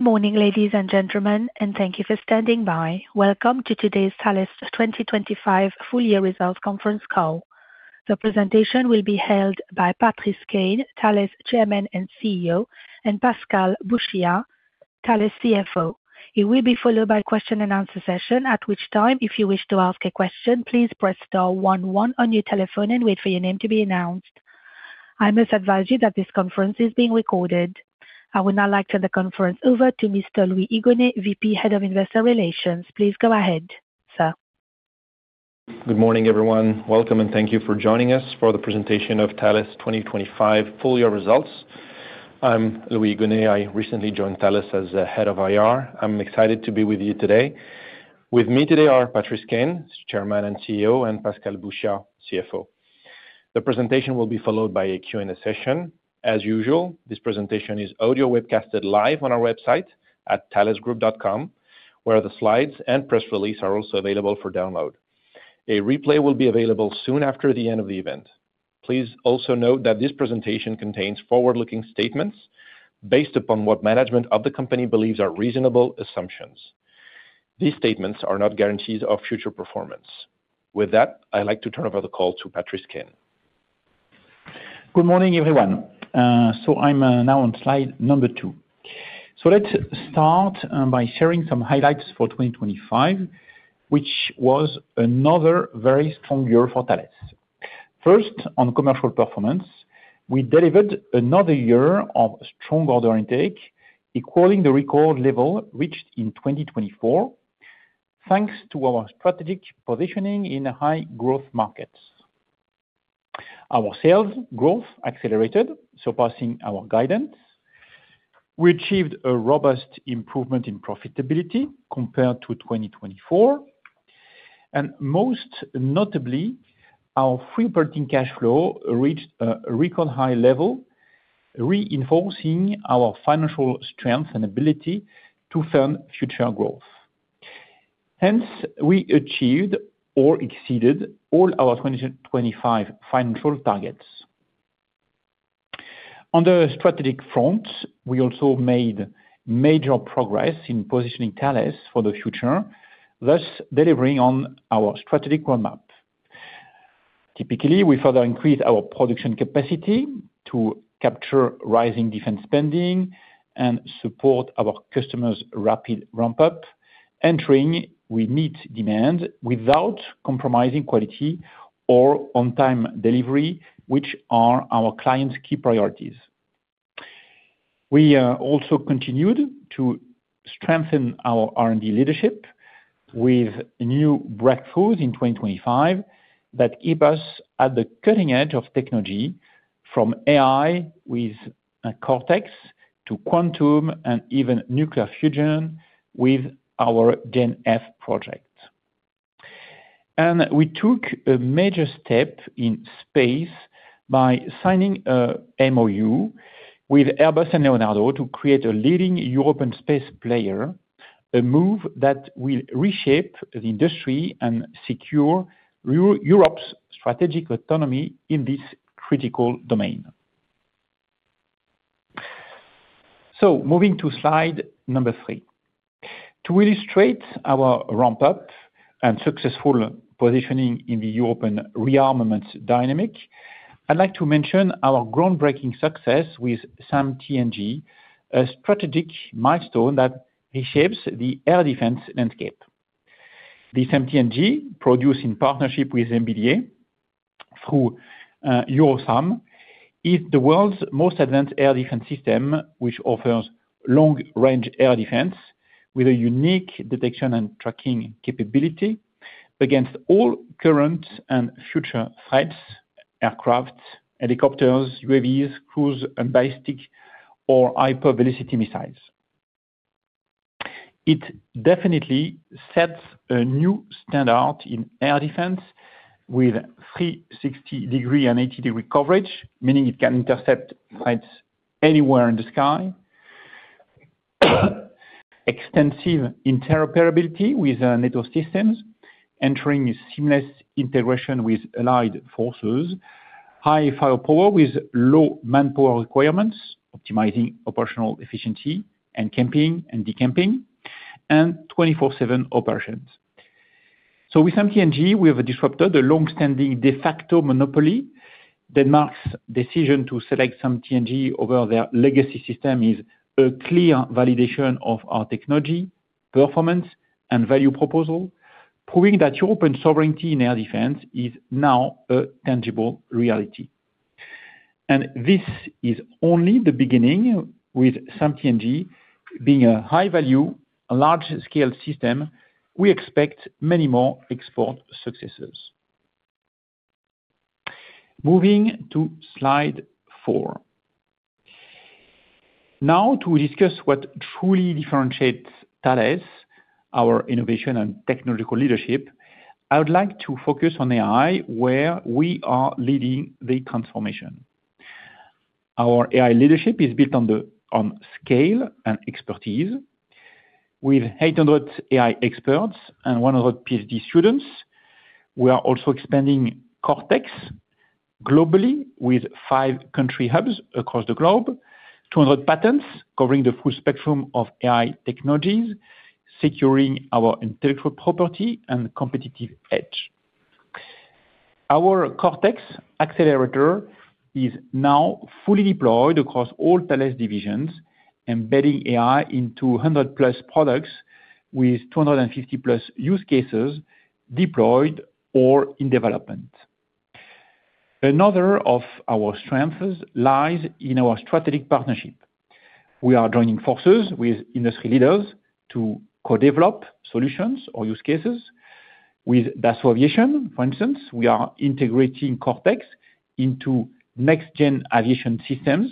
Morning, ladies and gentlemen, and thank you for standing by. Welcome to today's Thales 2025 Full Year Results conference call. The presentation will be held by Patrice Caine, Thales Chairman and CEO, and Pascal Bouchiat, Thales CFO. It will be followed by question and answer session, at which time, if you wish to ask a question, please press star one one on your telephone and wait for your name to be announced. I must advise you that this conference is being recorded. I would now like to hand the conference over to Mr. Louis Igonet, VP Head of Investor Relations. Please go ahead, sir. Good morning, everyone. Welcome and thank you for joining us for the presentation of Thales 2025 Full Year results. I'm Louis Igonet. I recently joined Thales as the head of IR. I'm excited to be with you today. With me today are Patrice Caine, Chairman and CEO, and Pascal Bouchiat, CFO. The presentation will be followed by a Q&A session. As usual, this presentation is audio webcasted live on our website at thalesgroup.com, where the slides and press release are also available for download. A replay will be available soon after the end of the event. Please also note that this presentation contains forward-looking statements based upon what management of the company believes are reasonable assumptions. These statements are not guarantees of future performance. With that, I'd like to turn over the call to Patrice Caine. Good morning, everyone. I'm now on slide number two. Let's start by sharing some highlights for 2025, which was another very strong year for Thales. First, on commercial performance, we delivered another year of strong order intake, equaling the record level reached in 2024, thanks to our strategic positioning in high-growth markets. Our sales growth accelerated, surpassing our guidance. We achieved a robust improvement in profitability compared to 2024, and most notably, our free operating cash flow reached a record high level, reinforcing our financial strength and ability to fund future growth. We achieved or exceeded all our 2025 financial targets. On the strategic front, we also made major progress in positioning Thales for the future, thus delivering on our strategic roadmap. Typically, we further increase our production capacity to capture rising defense spending and support our customers' rapid ramp-up, entering with meet demand without compromising quality or on time delivery, which are our clients' key priorities. We also continued to strengthen our R&D leadership with new breakthroughs in 2025 that keep us at the cutting edge of technology from AI with cortAIx to Quantum and even nuclear fusion with our GenF project. We took a major step in space by signing a MoU with Airbus and Leonardo to create a leading European space player, a move that will reshape the industry and secure Europe's strategic autonomy in this critical domain. Moving to slide number three. To illustrate our ramp-up and successful positioning in the European rearmament dynamic, I'd like to mention our groundbreaking success with SAMP/T NG, a strategic milestone that reshapes the air defense landscape. The SAMP/T NG, produced in partnership with MBDA through Eurosam, is the world's most advanced air defense system, which offers long-range air defense with a unique detection and tracking capability against all current and future threats, aircraft, helicopters, UAVs, cruise, and ballistic or hypervelocity missiles. It definitely sets a new standard in air defense with 360 degree and 80 degree coverage, meaning it can intercept threats anywhere in the sky. Extensive interoperability with NATO systems, entering seamless integration with allied forces, high firepower with low manpower requirements, optimizing operational efficiency and camping and decamping, and 24/7 operations. With SAMP/T NG, we have disrupted the long-standing de facto monopoly. Denmark's decision to select SAMP/T NG over their legacy system is a clear validation of our technology, performance, and value proposal, proving that European sovereignty in air defense is now a tangible reality. This is only the beginning with SAMP/T NG being a high-value, large-scale system, we expect many more export successes. Moving to slide four. Now to discuss what truly differentiates Thales, our innovation and technological leadership, I would like to focus on AI, where we are leading the transformation. Our AI leadership is built on scale and expertise. With 800 AI experts and 100 PhD students. We are also expanding cortAIx globally with five country hubs across the globe. 200 patents covering the full spectrum of AI technologies, securing our intellectual property and competitive edge. Our cortAIx accelerator is now fully deployed across all Thales divisions, embedding AI into 100+ products with 250+ use cases deployed or in development. Another of our strengths lies in our strategic partnership. We are joining forces with industry leaders to co-develop solutions or use cases. With Dassault Aviation, for instance, we are integrating cortAIx into next-gen aviation systems,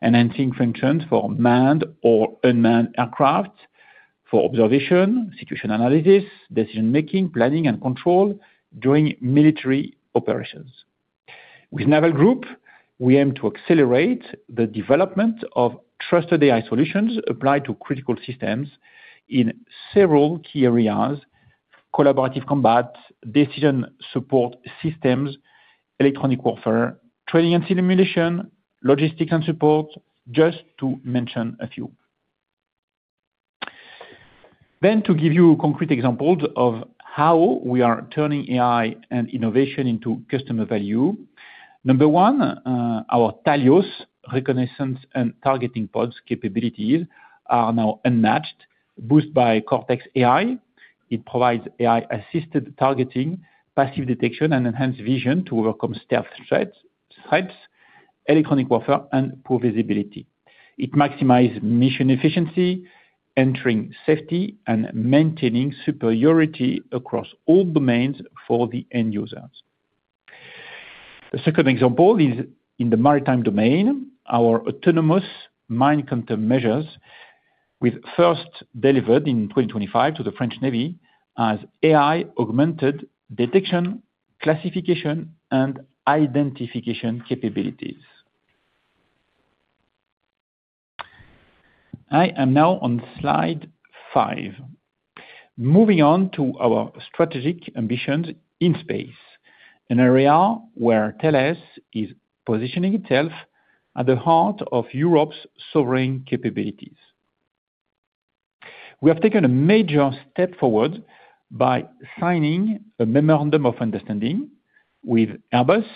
enhancing functions for manned or unmanned aircraft for observation, situation analysis, decision-making, planning, and control during military operations. With Naval Group, we aim to accelerate the development of trusted AI solutions applied to critical systems in several key areas, collaborative combat, decision support systems, electronic warfare, training and simulation, logistics and support, just to mention a few. To give you concrete examples of how we are turning AI and innovation into customer value. Number one, our TALIOS reconnaissance and targeting pods capabilities are now unmatched, boosted by cortAIx AI. It provides AI-assisted targeting, passive detection, and enhanced vision to overcome stealth threats- types, electronic warfare, and poor visibility. It maximizes mission efficiency, ensuring safety, and maintaining superiority across all domains for the end users. The 2nd example is in the maritime domain. Our autonomous mine countermeasures with first delivered in 2025 to the French Navy as AI-augmented detection, classification, and identification capabilities. I am now on slide five. Moving on to our strategic ambitions in space, an area where Thales is positioning itself at the heart of Europe's sovereign capabilities. We have taken a major step forward by signing a memorandum of understanding with Airbus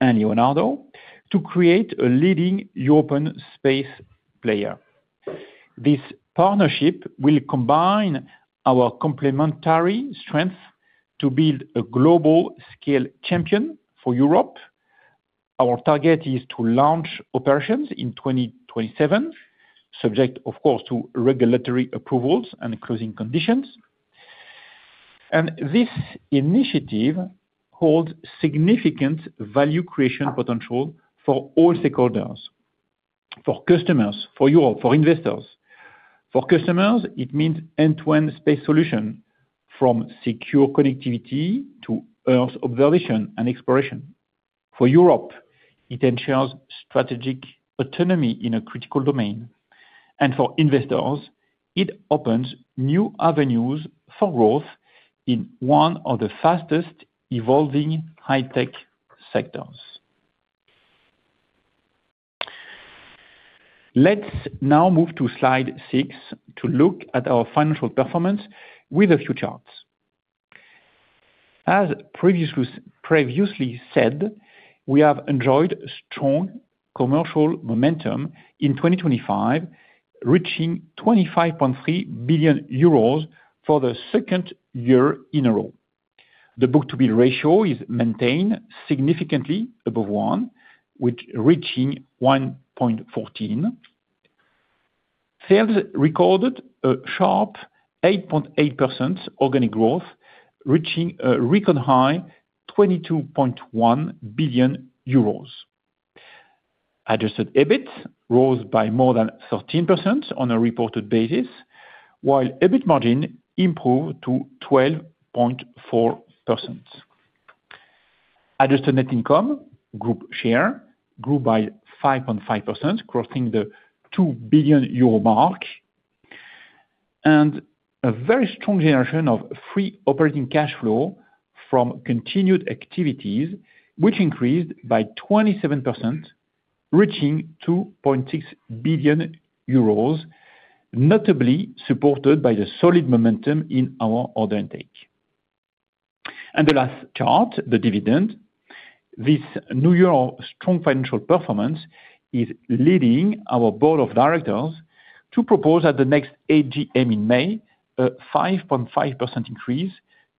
and Leonardo to create a leading European space player. This partnership will combine our complementary strengths to build a global scale champion for Europe. Our target is to launch operations in 2027, subject of course, to regulatory approvals and closing conditions. This initiative holds significant value creation potential for all stakeholders, for customers, for you all, for investors. For customers, it means end-to-end space solution from secure connectivity to Earth's observation and exploration. For Europe, it ensures strategic autonomy in a critical domain. For investors, it opens new avenues for growth in one of the fastest evolving high-tech sectors. Let's now move to slide six to look at our financial performance with a few charts. As previously said, we have enjoyed strong commercial momentum in 2025, reaching 25.3 billion euros for the second year in a row. The book-to-bill ratio is maintained significantly above one, with reaching 1.14. Sales recorded a sharp 8.8% organic growth, reaching a record high 22.1 billion euros. Adjusted EBIT rose by more than 13% on a reported basis, while EBIT margin improved to 12.4%. Adjusted Net Income group share grew by 5.5%, crossing the 2 billion euro mark. A very strong generation of free operating cash flow from continued activities, which increased by 27%, reaching 2.6 billion euros, notably supported by the solid momentum in our order intake. The last chart, the dividend. This new year strong financial performance is leading our board of directors to propose at the next AGM in May a 5.5% increase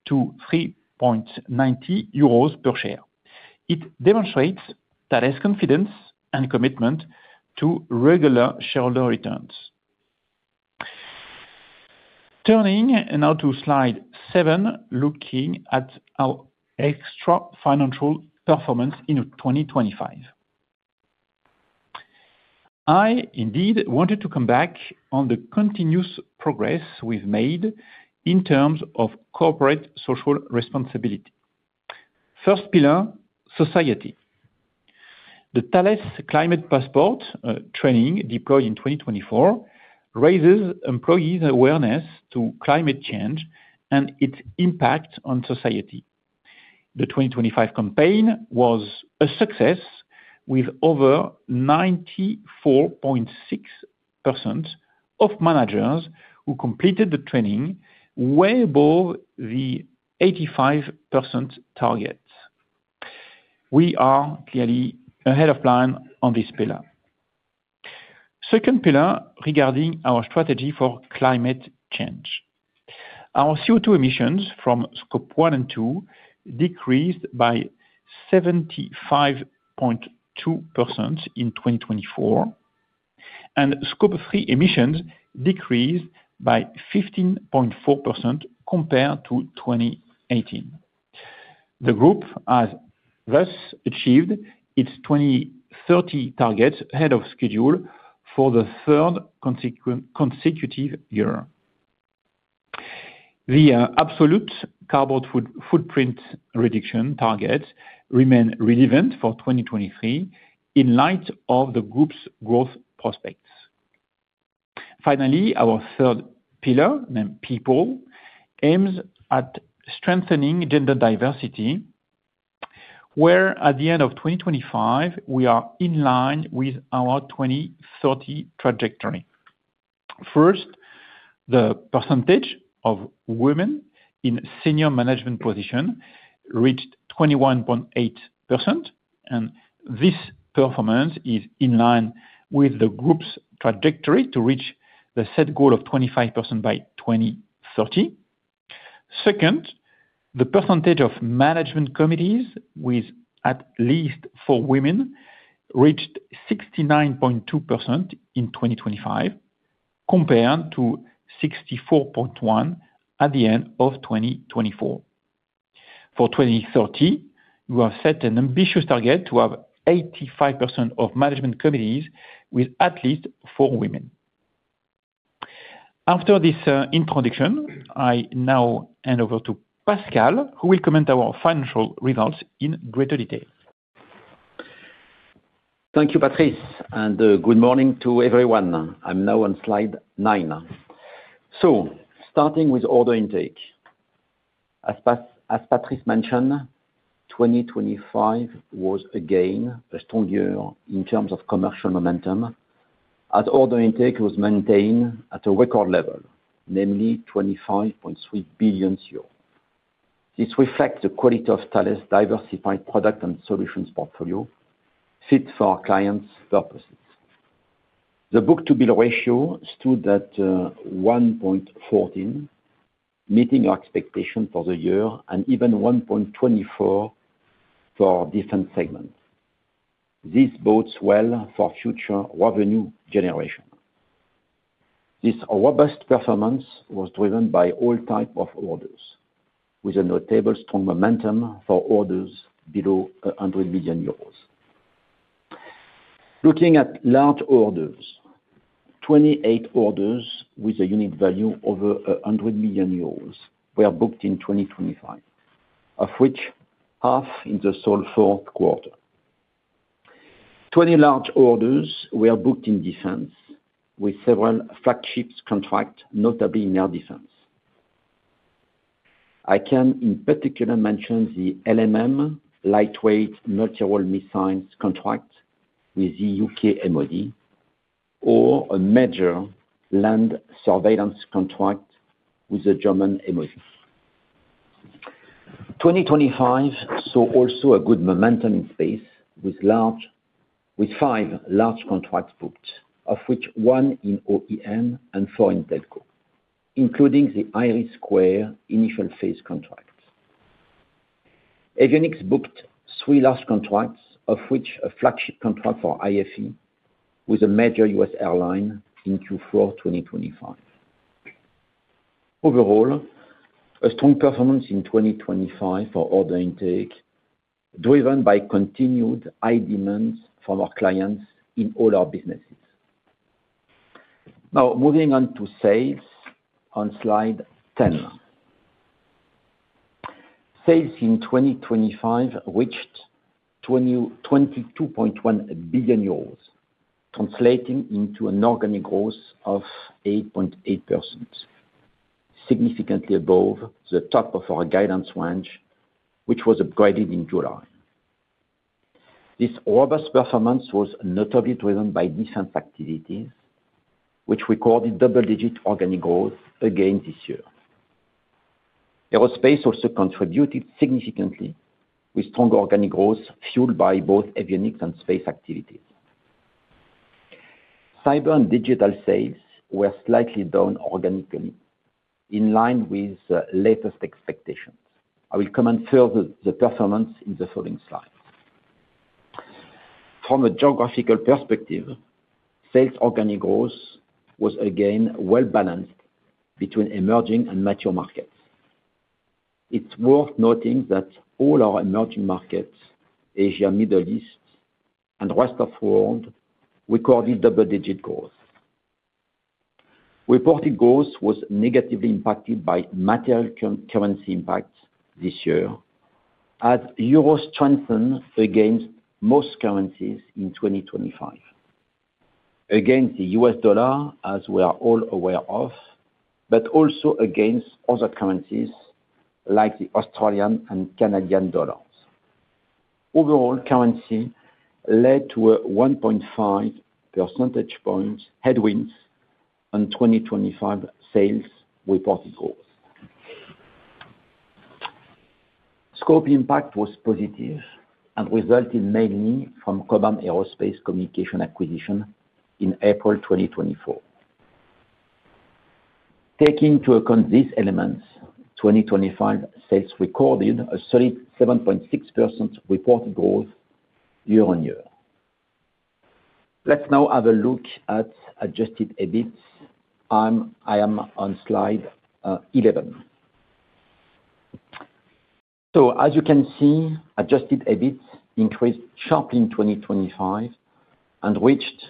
to 3.90 euros per share. It demonstrates Thales' confidence and commitment to regular shareholder returns. Turning now to slide seven, looking at our extra financial performance in 2025. I indeed wanted to come back on the continuous progress we've made in terms of corporate social responsibility. First pillar, society. The Thales Climate Passport training deployed in 2024 raises employees' awareness to climate change and its impact on society. The 2025 campaign was a success with over 94.6% of managers who completed the training way above the 85% target. We are clearly ahead of plan on this pillar. Second pillar regarding our strategy for climate change. Our CO₂ emissions from Scope 1 and 2 decreased by 75.2% in 2024, and Scope 3 emissions decreased by 15.4% compared to 2018. The group has thus achieved its 2030 target ahead of schedule for the third consecutive year. The absolute carbon footprint reduction target remain relevant for 2023 in light of the group's growth prospects. Finally, our third pillar, named people, aims at strengthening gender diversity, where at the end of 2025, we are in line with our 2030 trajectory. First, the percentage of women in senior management position reached 21.8%. This performance is in line with the group's trajectory to reach the set goal of 25% by 2030. Second, the percentage of management committees with at least four women reached 69.2% in 2025, compared to 64.1% at the end of 2024. For 2030, we have set an ambitious target to have 85% of management committees with at least four women. After this introduction, I now hand over to Pascal, who will comment our financial results in greater detail. Thank you, Patrice, good morning to everyone. I'm now on slide nine. Starting with order intake. As Patrice mentioned, 2025 was again a strong year in terms of commercial momentum, as order intake was maintained at a record level, namely 25.3 billion euros. This reflects the quality of Thales' diversified product and solutions portfolio fit for our clients' purposes. The book-to-bill ratio stood at 1.14, meeting our expectation for the year and even 1.24 for different segments. This bodes well for future revenue generation. This robust performance was driven by all type of orders, with a notable strong momentum for orders below 100 million euros. Looking at large orders, 28 orders with a unit value over 100 million euros were booked in 2025, of which half in the sole fourth quarter. 20 large orders were booked in defense with several flagships contract, notably in air defense. I can in particular mention the LMM Lightweight Multirole Missiles contract with the UK MoD or a major land surveillance contract with the German MoD. 2025 saw also a good momentum in space with five large contracts booked, of which one in OEM and four in Telco, including the IRIS² initial phase contract. Avionics booked three large contracts, of which a flagship contract for IFE with a major U.S. airline in Q4, 2025. Overall, a strong performance in 2025 for order intake, driven by continued high demands from our clients in all our businesses. Now moving on to sales on slide 10. Sales in 2025 reached 22.1 billion euros, translating into an organic growth of 8.8%, significantly above the top of our guidance range, which was upgraded in July. This robust performance was notably driven by defense activities, which recorded double-digit organic growth again this year. Aerospace also contributed significantly with strong organic growth fueled by both avionics and space activities. Cyber and digital sales were slightly down organically, in line with the latest expectations. I will comment further the performance in the following slide. From a geographical perspective, sales organic growth was again well-balanced between emerging and mature markets. It's worth noting that all our emerging markets, Asia, Middle East, and rest of world, recorded double-digit growth. Reported growth was negatively impacted by material currency impact this year as Euro strengthened against most currencies in 2025. Against the US dollar, as we are all aware of, but also against other currencies like the Australian and Canadian dollars. Overall currency led to a 1.5 percentage points headwinds on 2025 sales reported growth. Scope impact was positive and resulted mainly from Cobham Aerospace Communications acquisition in April 2024. Taking into account these elements, 2025 sales recorded a solid 7.6% reported growth year-over-year. Let's now have a look at Adjusted EBIT. I am on slide 11. As you can see, Adjusted EBIT increased sharply in 2025 and reached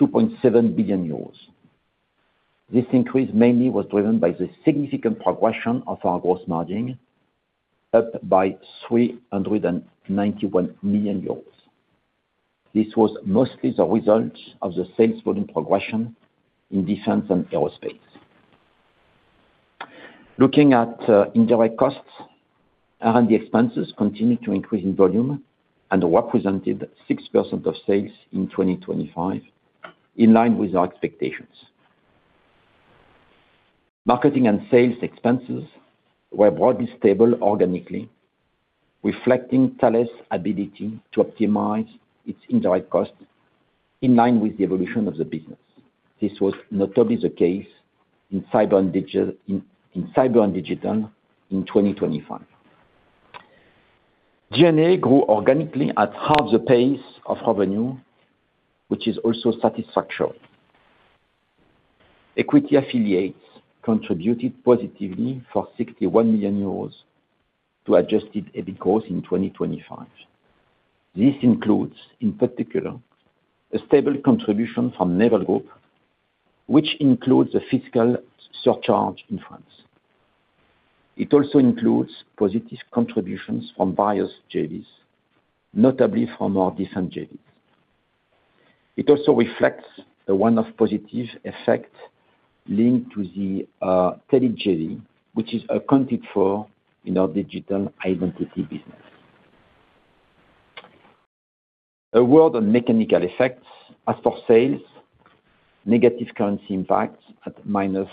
2.7 billion euros. This increase mainly was driven by the significant progression of our gross margin, up by 391 million euros. This was mostly the result of the sales volume progression in defense and aerospace. Looking at indirect costs, R&D expenses continued to increase in volume and represented 6% of sales in 2025, in line with our expectations. Marketing and sales expenses were broadly stable organically, reflecting Thales' ability to optimize its indirect cost in line with the evolution of the business. This was notably the case in cyber and digital in 2025. G&A grew organically at half the pace of revenue, which is also satisfactory. Equity affiliates contributed positively for 61 million euros to Adjusted EBIT growth in 2025. This includes, in particular, a stable contribution from Naval Group, which includes a fiscal surcharge in France. It also includes positive contributions from various JVs, notably from our defense JVs. It also reflects the one-off positive effect linked to the Telco JV, which is accounted for in our digital identity business. A word on mechanical effects. As for sales, negative currency impacts at minus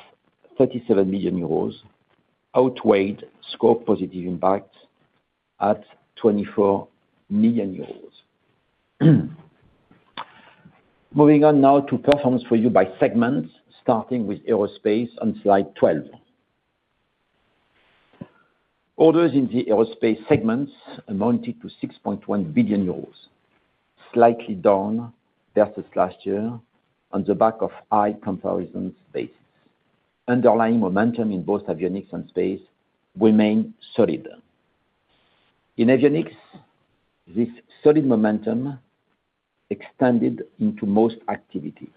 37 million euros outweighed scope positive impacts at 24 million euros. Moving on now to performance review by segments, starting with aerospace on slide 12. Orders in the aerospace segments amounted to 6.1 billion euros, slightly down versus last year on the back of high comparisons basis. Underlying momentum in both avionics and space remained solid. In avionics, this solid momentum extended into most activities.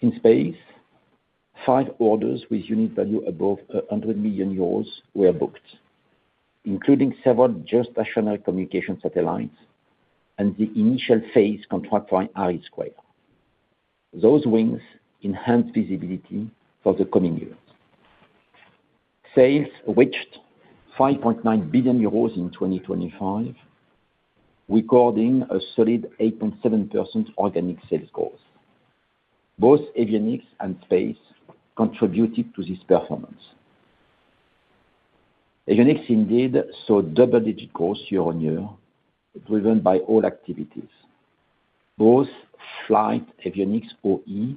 In space, five orders with unit value above 100 million euros were booked, including several geostationary communication satellites and the initial phase contract from IRIS². Those wins enhance visibility for the coming years. Sales reached 5.9 billion euros in 2025, recording a solid 8.7% organic sales growth. Both avionics and space contributed to this performance. Avionics indeed saw double-digit growth year-on-year, driven by all activities. Both flight avionics OE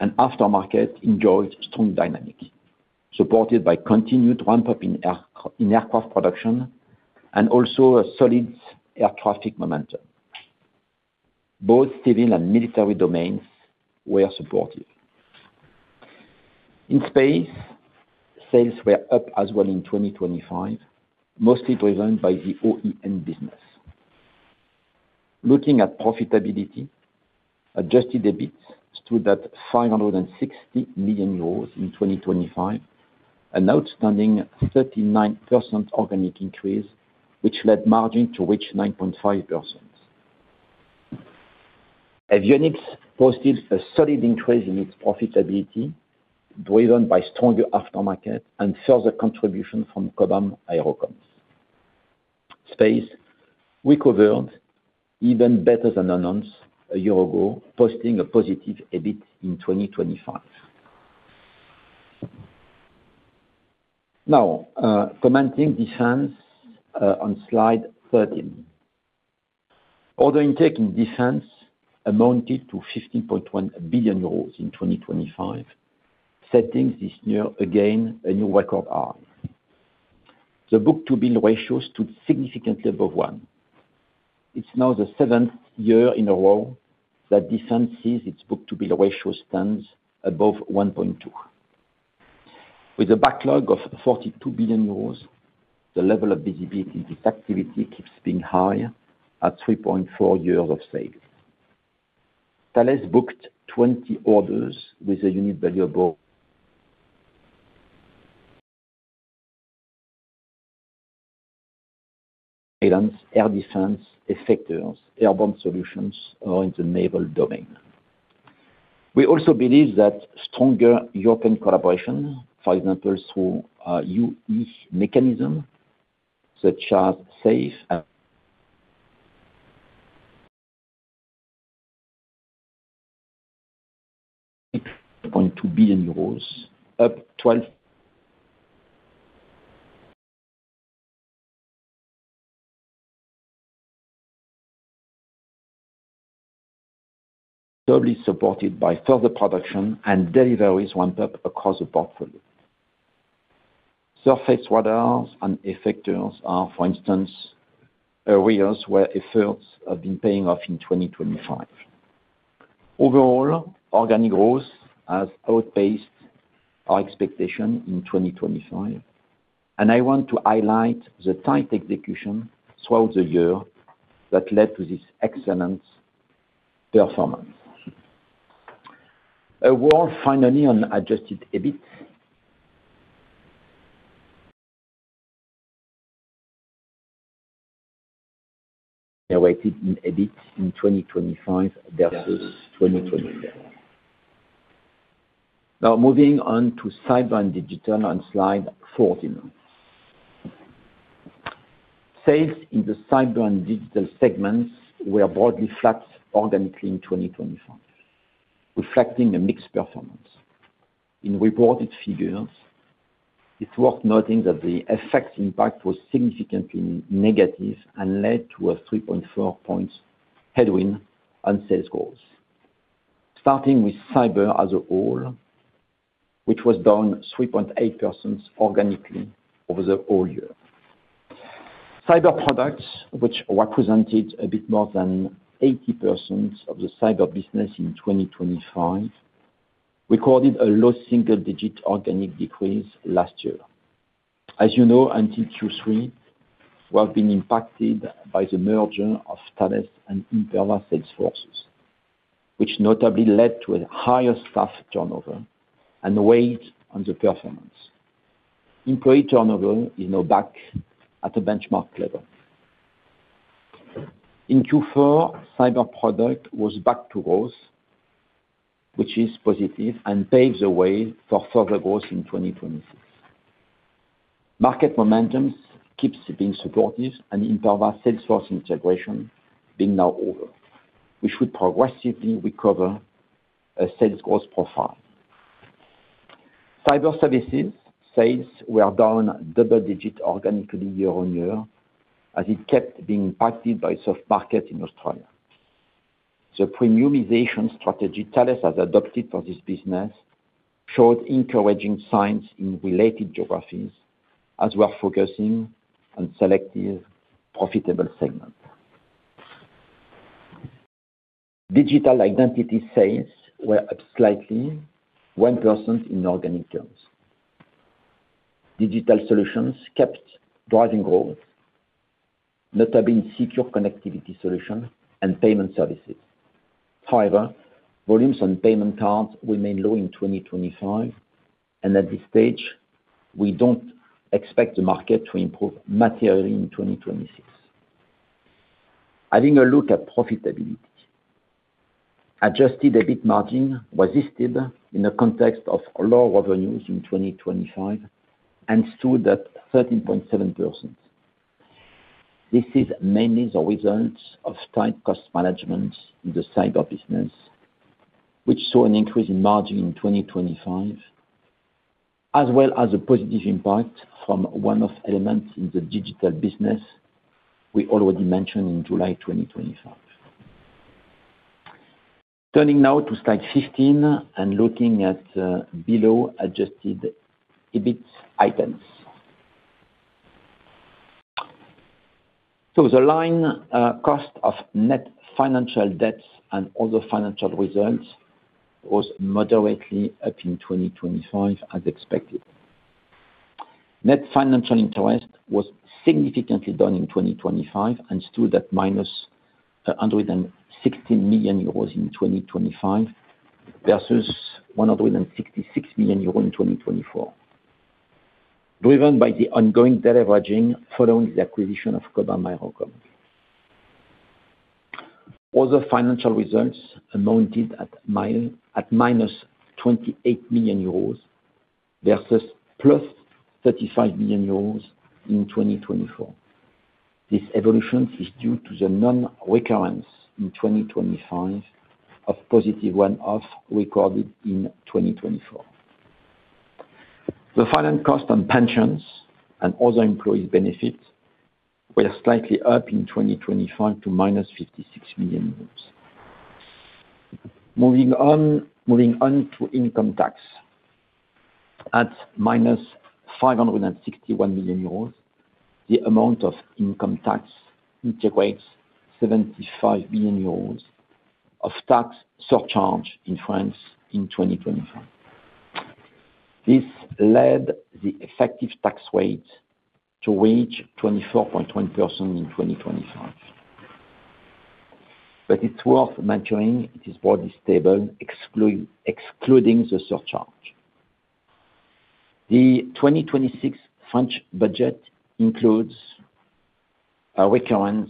and aftermarket enjoyed strong dynamic, supported by continued ramp-up in aircraft production and also a solid air traffic momentum. Both civil and military domains were supportive. In space, sales were up as well in 2025, mostly driven by the OEM business. Looking at profitability, Adjusted EBIT stood at 560 million euros in 2025, an outstanding 39% organic increase, which led margin to reach 9.5%. Avionics posted a solid increase in its profitability, driven by stronger aftermarket and further contribution from Cobham Aerocomms. Space recovered even better than announced a year ago, posting a positive EBIT in 2025. Commenting defense on slide 13. Order intake in defense amounted to 15.1 billion euros in 2025, setting this year again a new record. The book-to-bill ratio stood significantly above one. It's now the 7th year in a row that defense sees its book-to-bill ratio stands above 1.4. With a backlog of 42 billion euros, the level of visibility in this activity keeps being high at 3.4 years of sales. Thales booked 20 orders with a unit value above air defense effectors, airborne solutions, or into naval domain. We also believe that stronger European collaboration, for example, through EU mechanism such as SAFE EUR 2 billion, up 12% totally supported by further production and deliveries ramp up across the portfolio. Surface waters and effectors are, for instance, areas where efforts have been paying off in 2025. Overall, organic growth has outpaced our expectation in 2025, and I want to highlight the tight execution throughout the year that led to this excellent performance. A word finally on Adjusted EBIT generated in EBIT in 2025 versus 2024. Moving on to Cyber and Digital on slide 14. Sales in the Cyber and Digital segments were broadly flat organically in 2025, reflecting a mix performance. In reported figures, it's worth noting that the FX impact was significantly negative and led to a 3.4 points headwind and sales growth. Starting with Cyber as a whole, which was down 3.8% organically over the whole year. Cyber Products, which represented a bit more than 80% of the Cyber business in 2025, recorded a low single-digit organic decrease last year. As you know, until Q3, while being impacted by the merger of Thales and Imperva sales forces, which notably led to a higher staff turnover and weight on the performance. Employee turnover is now back at a benchmark level. In Q4, cyber product was back to growth, which is positive and paves the way for further growth in 2026. Imperva sales force integration being now over, which should progressively recover a sales growth profile. Cyber services sales were down double-digit organically year-on-year, as it kept being impacted by soft market in Australia. The premiumization strategy Thales has adopted for this business showed encouraging signs in related geographies as we are focusing on selective profitable segment. Digital identity sales were up slightly 1% in organic terms. Digital solutions kept driving growth, notably in secure connectivity solution and payment services. Volumes and payment cards remain low in 2025, and at this stage, we don't expect the market to improve materially in 2026. Having a look at profitability. Adjusted EBIT Margin resisted in the context of lower revenues in 2025 and stood at 13.7%. This is mainly the result of tight cost management in the cyber business, which saw an increase in margin in 2025, as well as a positive impact from one-off elements in the digital business we already mentioned in July 2025. Turning now to slide 15 and looking at below Adjusted EBIT items. The line cost of net financial debts and other financial results was moderately up in 2025 as expected. Net financial interest was significantly down in 2025 and stood at minus 160 million euros in 2025 versus 166 million euro in 2024. Driven by the ongoing deleveraging following the acquisition of Kratos Maurel & Prom. Other financial results amounted at minus 28 million euros versus plus 35 million euros in 2024. This evolution is due to the non-recurrence in 2025 of positive one-off recorded in 2024. The final cost on pensions and other employee benefits were slightly up in 2025 to -56 million euros. Moving on to income tax. At -561 million euros, the amount of income tax integrates 75 million euros of tax surcharge in France in 2025. This led the effective tax rate to reach 24.2% in 2025. It's worth mentioning it is broadly stable excluding the surcharge. The 2026 French budget includes a recurrence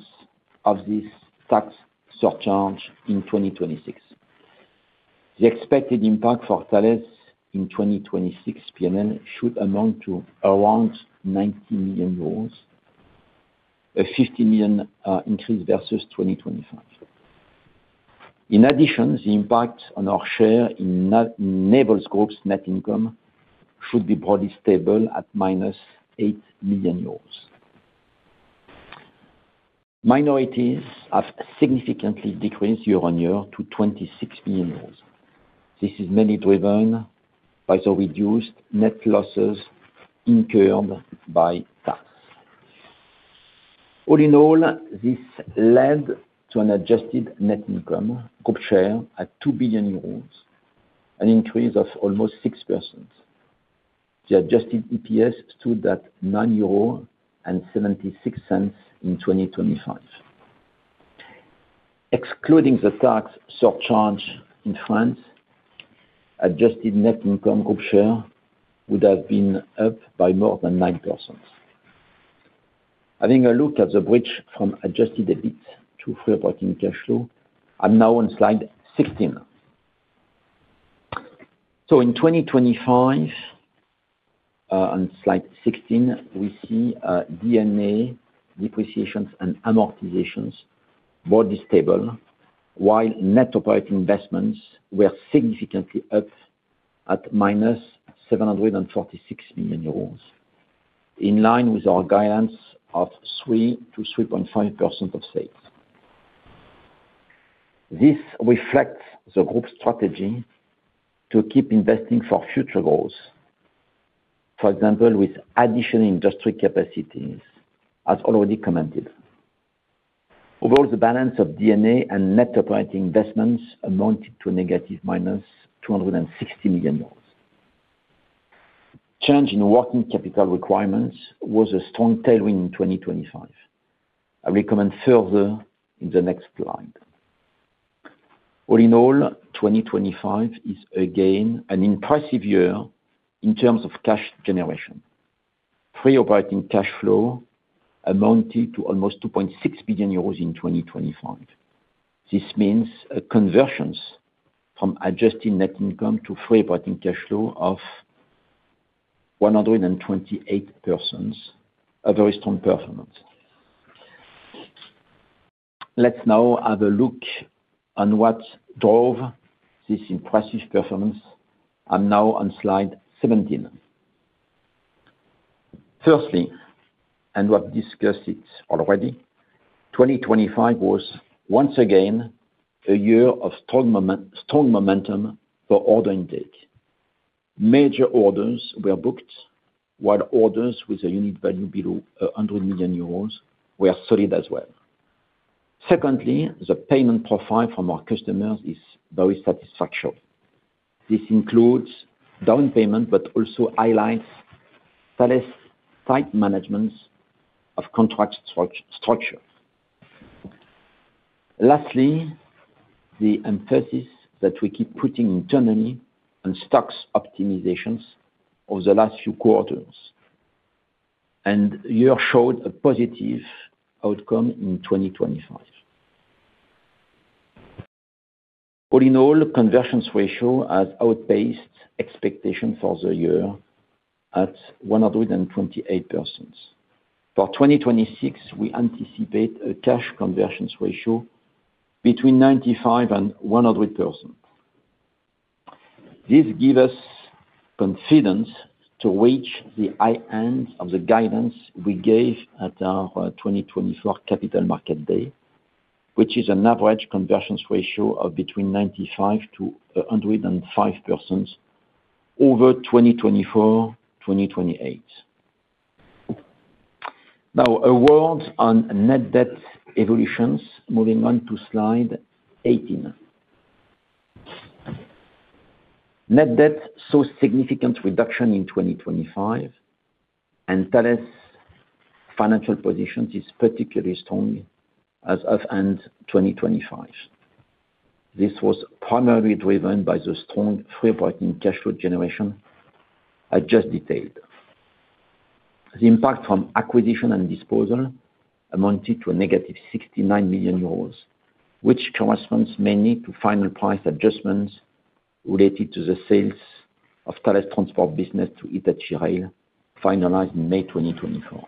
of this tax surcharge in 2026. The expected impact for Thales in 2026 PMN should amount to around 90 million euros, a 50 million increase versus 2025. In addition, the impact on our share in Naval Group's net income should be broadly stable at -8 million euros. Minorities have significantly decreased year-on-year to 26 million euros. This is mainly driven by the reduced net losses incurred by tax. All in all, this led to an Adjusted Net Income group share at 2 billion euros, an increase of almost 6%. The Adjusted EPS stood at 9.76 euro in 2025. Excluding the tax surcharge in France, Adjusted Net Income group share would have been up by more than 9%. Having a look at the bridge from Adjusted EBIT to free operating cash flow. I'm now on slide 16. In 2025, on slide 16, we see DNA Depreciations and Amortizations more stable, while net operating investments were significantly up at -746 million euros, in line with our guidance of 3%-3.5% of sales. This reflects the group's strategy to keep investing for future goals. For example, with additional industry capacities, as already commented. Overall, the balance of DNA and net operating investments amounted to a negative minus 260 million euros. Change in working capital requirements was a strong tailwind in 2025. I recommend further in the next slide. All in all, 2025 is again an impressive year in terms of cash generation. Free operating cash flow amounted to almost 2.6 billion euros in 2025. This means a conversion from Adjusted Net Income to free operating cash flow of 128%. A very strong performance. Let's now have a look on what drove this impressive performance. I'm now on slide 17. Firstly, we have discussed it already, 2025 was once again a year of strong momentum for order intake. Major orders were booked, while orders with a unit value below 100 million euros were solid as well. Secondly, the payment profile from our customers is very satisfactory. This includes down payment, but also highlights Thales' tight management of contract structure. Lastly, the emphasis that we keep putting internally on stocks optimizations over the last few quarters and year showed a positive outcome in 2025. All in all, conversions ratio has outpaced expectations for the year at 128%. For 2026, we anticipate a cash conversions ratio between 95% and 100%. This give us confidence to reach the high end of the guidance we gave at our 2024 Capital Markets Day, which is an average conversions ratio of between 95% to 105% over 2024-2028. A word on net debt evolutions. Moving on to slide 18. Net debt saw significant reduction in 2025, Thales' financial position is particularly strong as of end 2025. This was primarily driven by the strong free operating cash flow generation I just detailed. The impact from acquisition and disposal amounted to a -69 million euros, which corresponds mainly to final price adjustments related to the sales of Thales' transport business to Hitachi Rail, finalized in May 2024.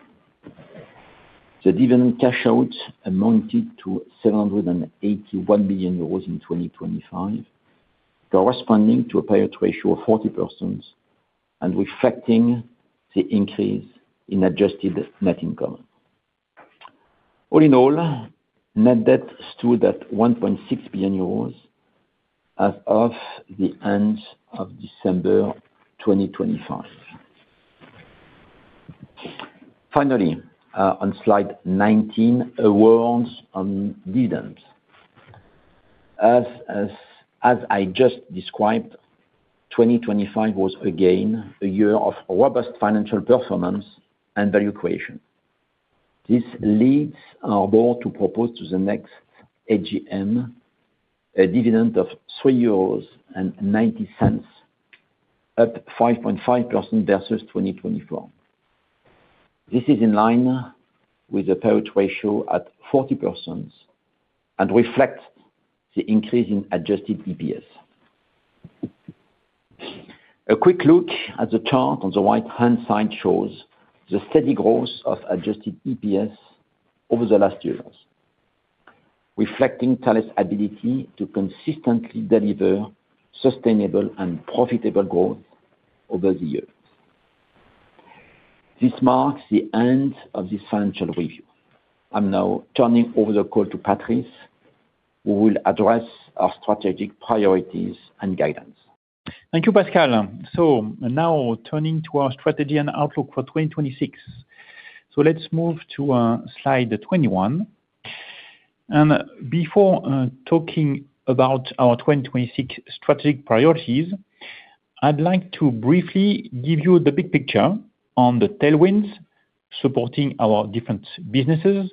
The dividend cash outs amounted to 781 billion euros in 2025, corresponding to a payout ratio of 40% and reflecting the increase in Adjusted Net Income. All in all, net debt stood at 1.6 billion euros as of the end of December 2025. Finally, on slide 19, awards on dividends. As I just described, 2025 was again a year of robust financial performance and value creation. This leads our board to propose to the next AGM a dividend of 3.90 euros, up 5.5% versus 2024. This is in line with the payout ratio at 40% and reflects the increase in Adjusted EPS. A quick look at the chart on the right-hand side shows the steady growth of Adjusted EPS over the last years, reflecting Thales' ability to consistently deliver sustainable and profitable growth over the years. This marks the end of this financial review. I am now turning over the call to Patrice, who will address our strategic priorities and guidance. Thank you, Pascal. Now turning to our strategy and outlook for 2026. Let's move to slide 21. Before talking about our 2026 strategic priorities, I'd like to briefly give you the big picture on the tailwinds supporting our different businesses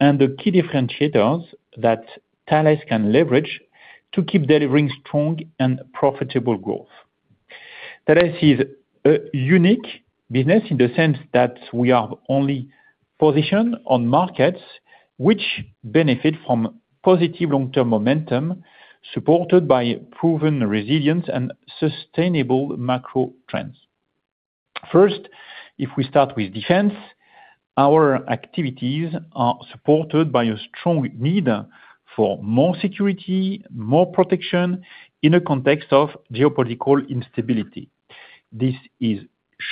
and the key differentiators that Thales can leverage to keep delivering strong and profitable growth. Thales is a unique business in the sense that we are only positioned on markets which benefit from positive long-term momentum, supported by proven resilience and sustainable macro trends. First, if we start with defense, our activities are supported by a strong need for more security, more protection in a context of geopolitical instability. This is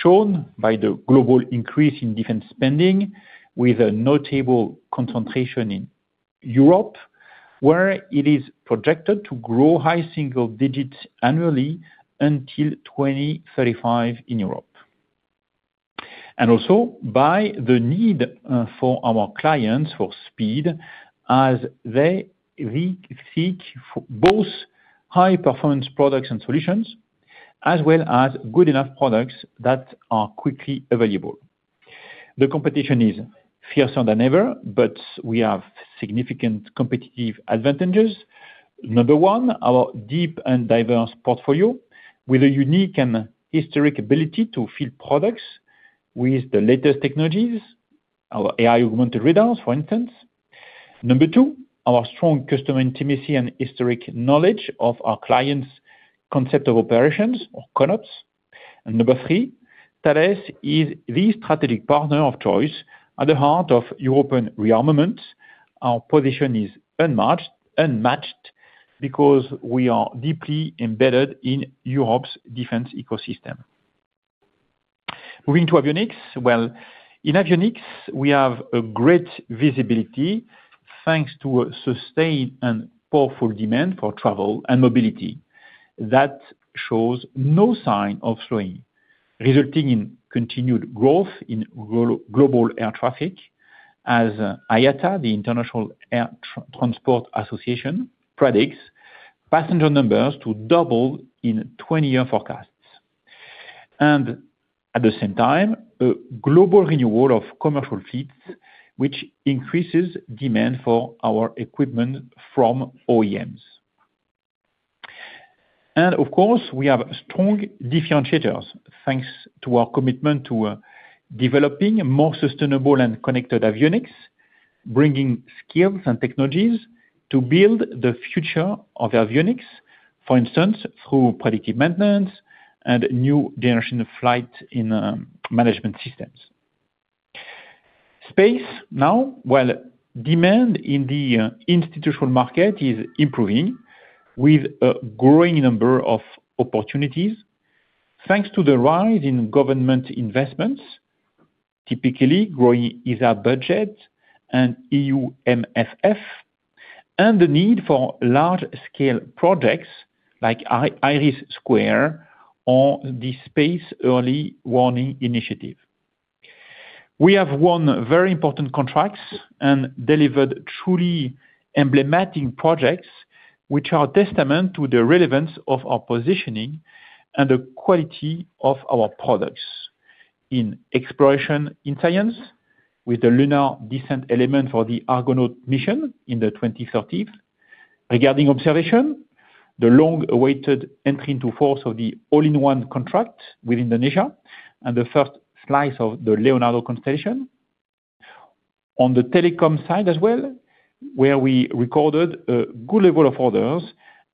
shown by the global increase in defense spending with a notable concentration in Europe, where it is projected to grow high single digits annually until 2035 in Europe. Also by the need for our clients for speed as they re-seek for both high-performance products and solutions, as well as good enough products that are quickly available. The competition is fiercer than ever, but we have significant competitive advantages. Number one, our deep and diverse portfolio with a unique and historic ability to fill products with the latest technologies, our AI-augmented radars, for instance. Number two, our strong customer intimacy and historic knowledge of our clients' concept of operations or CONOPs. Number three, Thales is the strategic partner of choice at the heart of European rearmament. Our position is unmatched because we are deeply embedded in Europe's defense ecosystem. Moving to avionics. In avionics, we have great visibility thanks to a sustained and powerful demand for travel and mobility that shows no sign of slowing, resulting in continued growth in global air traffic as IATA, the International Air Transport Association, predicts passenger numbers to double in 20-year forecasts. At the same time, a global renewal of commercial fleets, which increases demand for our equipment from OEMs. Of course, we have strong differentiators thanks to our commitment to developing more sustainable and connected avionics, bringing skills and technologies to build the future of avionics, for instance, through predictive maintenance and new generation of flight in management systems. Space now. Well, demand in the institutional market is improving with a growing number of opportunities, thanks to the rise in government investments, typically growing ESA budget and EU MFF, and the need for large-scale projects like IRIS² or the Space Early Warning Initiative. We have won very important contracts and delivered truly emblematic projects which are testament to the relevance of our positioning and the quality of our products in exploration in science with the lunar descent element for the Argonaut mission in 2030. Regarding observation, the long-awaited entry into force of the all-in-one contract with Indonesia and the first slice of the IRIDE constellation. The telecom side as well, where we recorded a good level of orders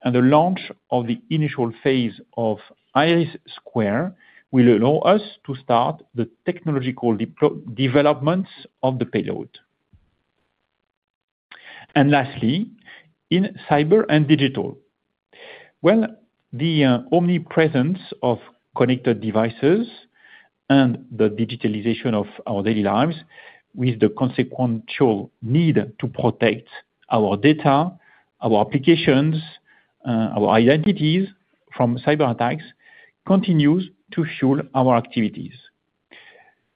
and the launch of the initial phase of IRIS² will allow us to start the technological developments of the payload. Lastly, in cyber and digital. Well, the omnipresence of connected devices and the digitalization of our daily lives. With the consequential need to protect our data, our applications, our identities from cyber attacks continues to fuel our activities.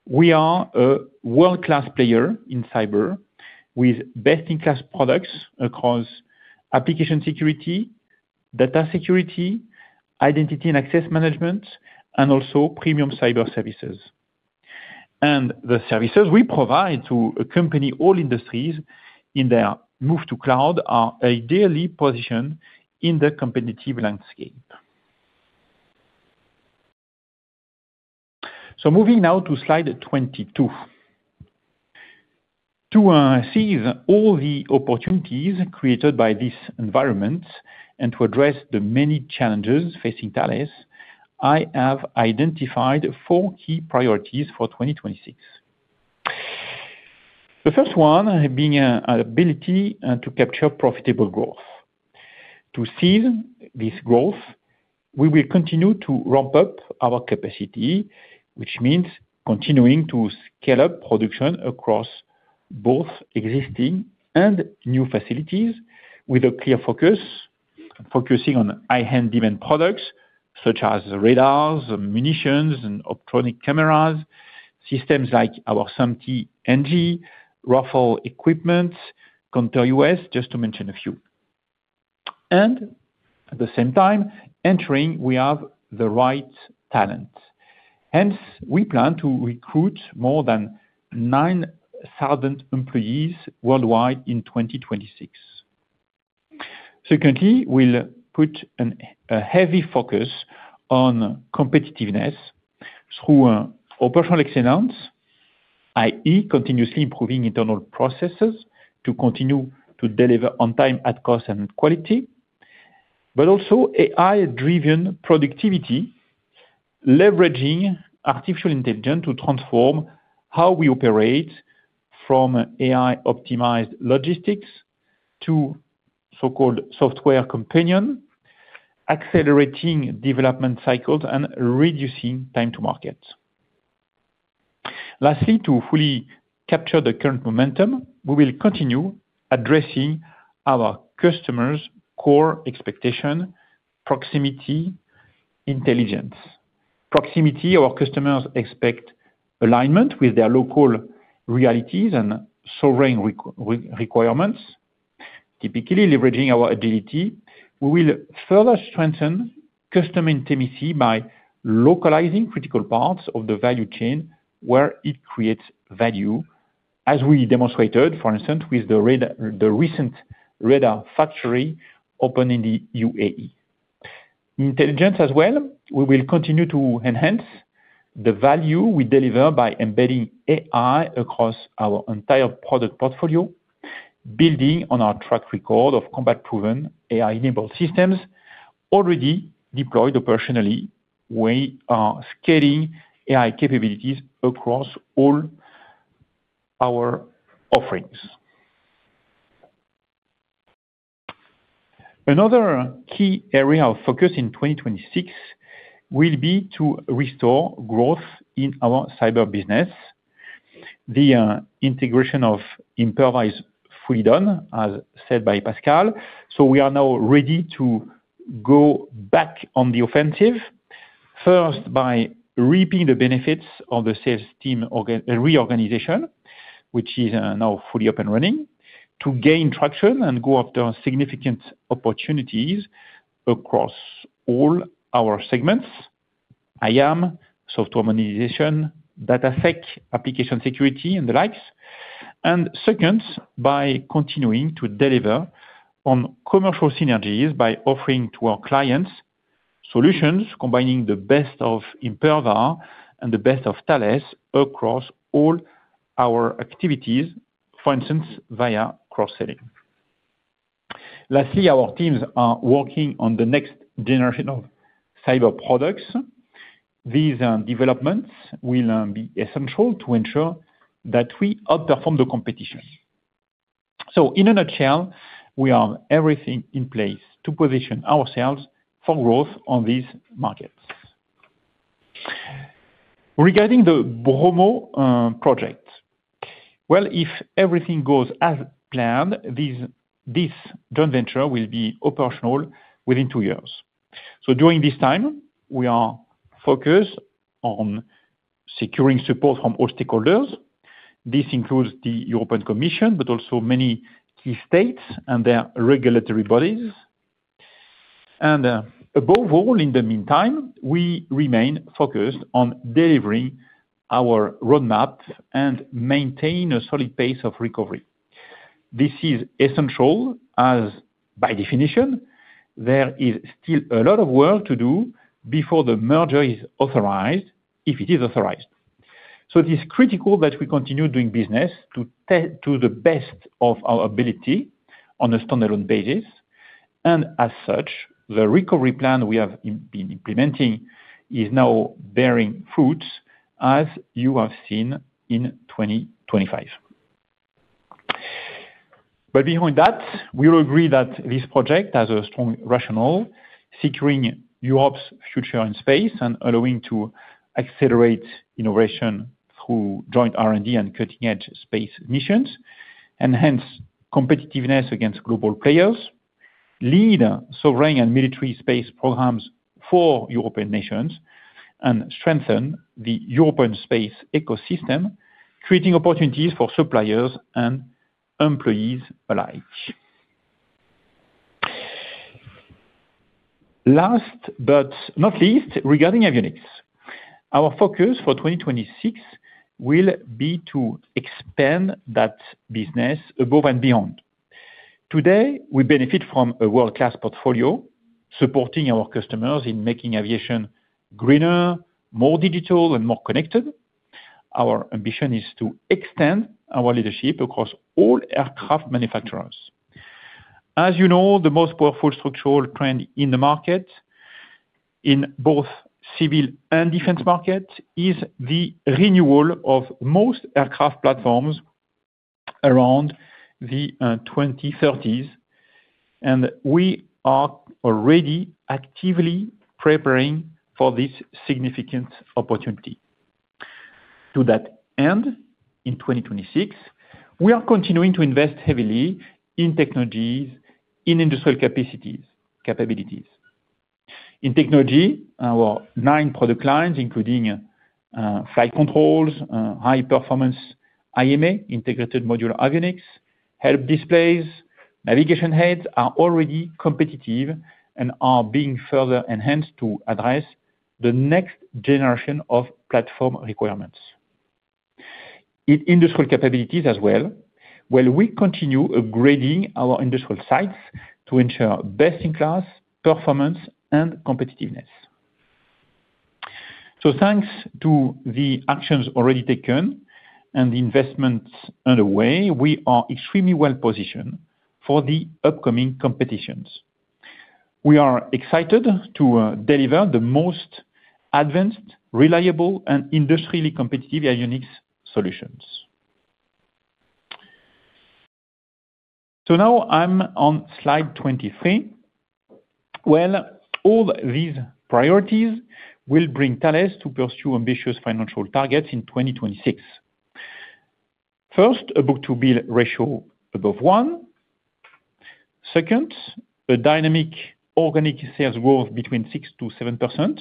We are a world-class player in cyber with best-in-class products across application security, data security, identity and access management, and also premium cyber services. The services we provide to accompany all industries in their move to cloud are ideally positioned in the competitive landscape. Moving now to slide 22. To seize all the opportunities created by this environment and to address the many challenges facing Thales, I have identified four key priorities for 2026. The first one being ability to capture profitable growth. To seize this growth, we will continue to ramp up our capacity, which means continuing to scale up production across both existing and new facilities with a clear focus, focusing on high-end demand products such as radars, munitions, and optronic cameras, systems like our SAMP/T NG, RF equipment, Counter-UAS, just to mention a few. At the same time, ensuring we have the right talent. Hence, we plan to recruit more than 9,000 employees worldwide in 2026. Secondly, we'll put a heavy focus on competitiveness through operational excellence, i.e., continuously improving internal processes to continue to deliver on time, at cost, and quality, but also AI-driven productivity, leveraging artificial intelligence to transform how we operate from AI-optimized logistics to so-called software companion, accelerating development cycles and reducing time to market. Lastly, to fully capture the current momentum, we will continue addressing our customers' core expectation, proximity, intelligence. Proximity, our customers expect alignment with their local realities and sovereign requirements. Typically leveraging our agility, we will further strengthen customer intimacy by localizing critical parts of the value chain where it creates value, as we demonstrated, for instance, with the radar, the recent radar factory open in the UAE. Intelligence as well, we will continue to enhance the value we deliver by embedding AI across our entire product portfolio. Building on our track record of combat-proven AI-enabled systems already deployed operationally, we are scaling AI capabilities across all our offerings. Another key area of focus in 2026 will be to restore growth in our cyber business. The integration of Imperva is freedom, as said by Pascal. We are now ready to go back on the offensive, first by reaping the benefits of the sales team reorganization, which is now fully up and running to gain traction and go after significant opportunities across all our segments, IAM, software monetization, data sec, application security, and the likes. Second, by continuing to deliver on commercial synergies by offering to our clients solutions combining the best of Imperva and the best of Thales across all our activities, for instance, via cross-selling. Lastly, our teams are working on the next generation of cyber products. These developments will be essential to ensure that we outperform the competition. In a nutshell, we have everything in place to position ourselves for growth on these markets. Regarding the BROMO project. If everything goes as planned, this joint venture will be operational within two years. During this time, we are focused on securing support from all stakeholders. This includes the European Commission, but also many key states and their regulatory bodies. Above all, in the meantime, we remain focused on delivering our roadmap and maintain a solid pace of recovery. This is essential as by definition, there is still a lot of work to do before the merger is authorized, if it is authorized. It is critical that we continue doing business to the best of our ability on a standalone basis. As such, the recovery plan we have been implementing is now bearing fruit, as you have seen in 2025. Behind that, we will agree that this project has a strong rationale, securing Europe's future in space and allowing to accelerate innovation through joint R&D and cutting-edge space missions, enhance competitiveness against global players, lead sovereign and military space programs for European nations, and strengthen the European space ecosystem, creating opportunities for suppliers and employees alike. Last but not least, regarding avionics, our focus for 2026 will be to expand that business above and beyond. Today, we benefit from a world-class portfolio supporting our customers in making aviation greener, more digital and more connected. Our ambition is to extend our leadership across all aircraft manufacturers. As you know, the most powerful structural trend in the market, in both civil and defense market, is the renewal of most aircraft platforms around the 2030s. We are already actively preparing for this significant opportunity. To that end, in 2026, we are continuing to invest heavily in technologies, in industrial capabilities. In technology, our nine product lines, including flight controls, high performance IMA, integrated modular avionics, help displays, navigation heads are already competitive and are being further enhanced to address the next generation of platform requirements. In industrial capabilities as well, while we continue upgrading our industrial sites to ensure best-in-class performance and competitiveness. Thanks to the actions already taken and the investments underway, we are extremely well-positioned for the upcoming competitions. We are excited to deliver the most advanced, reliable, and industrially competitive avionics solutions. Now I'm on slide 23, where all these priorities will bring Thales to pursue ambitious financial targets in 2026. First, a book-to-bill ratio above one. Second, a dynamic organic sales growth between 6%-7%,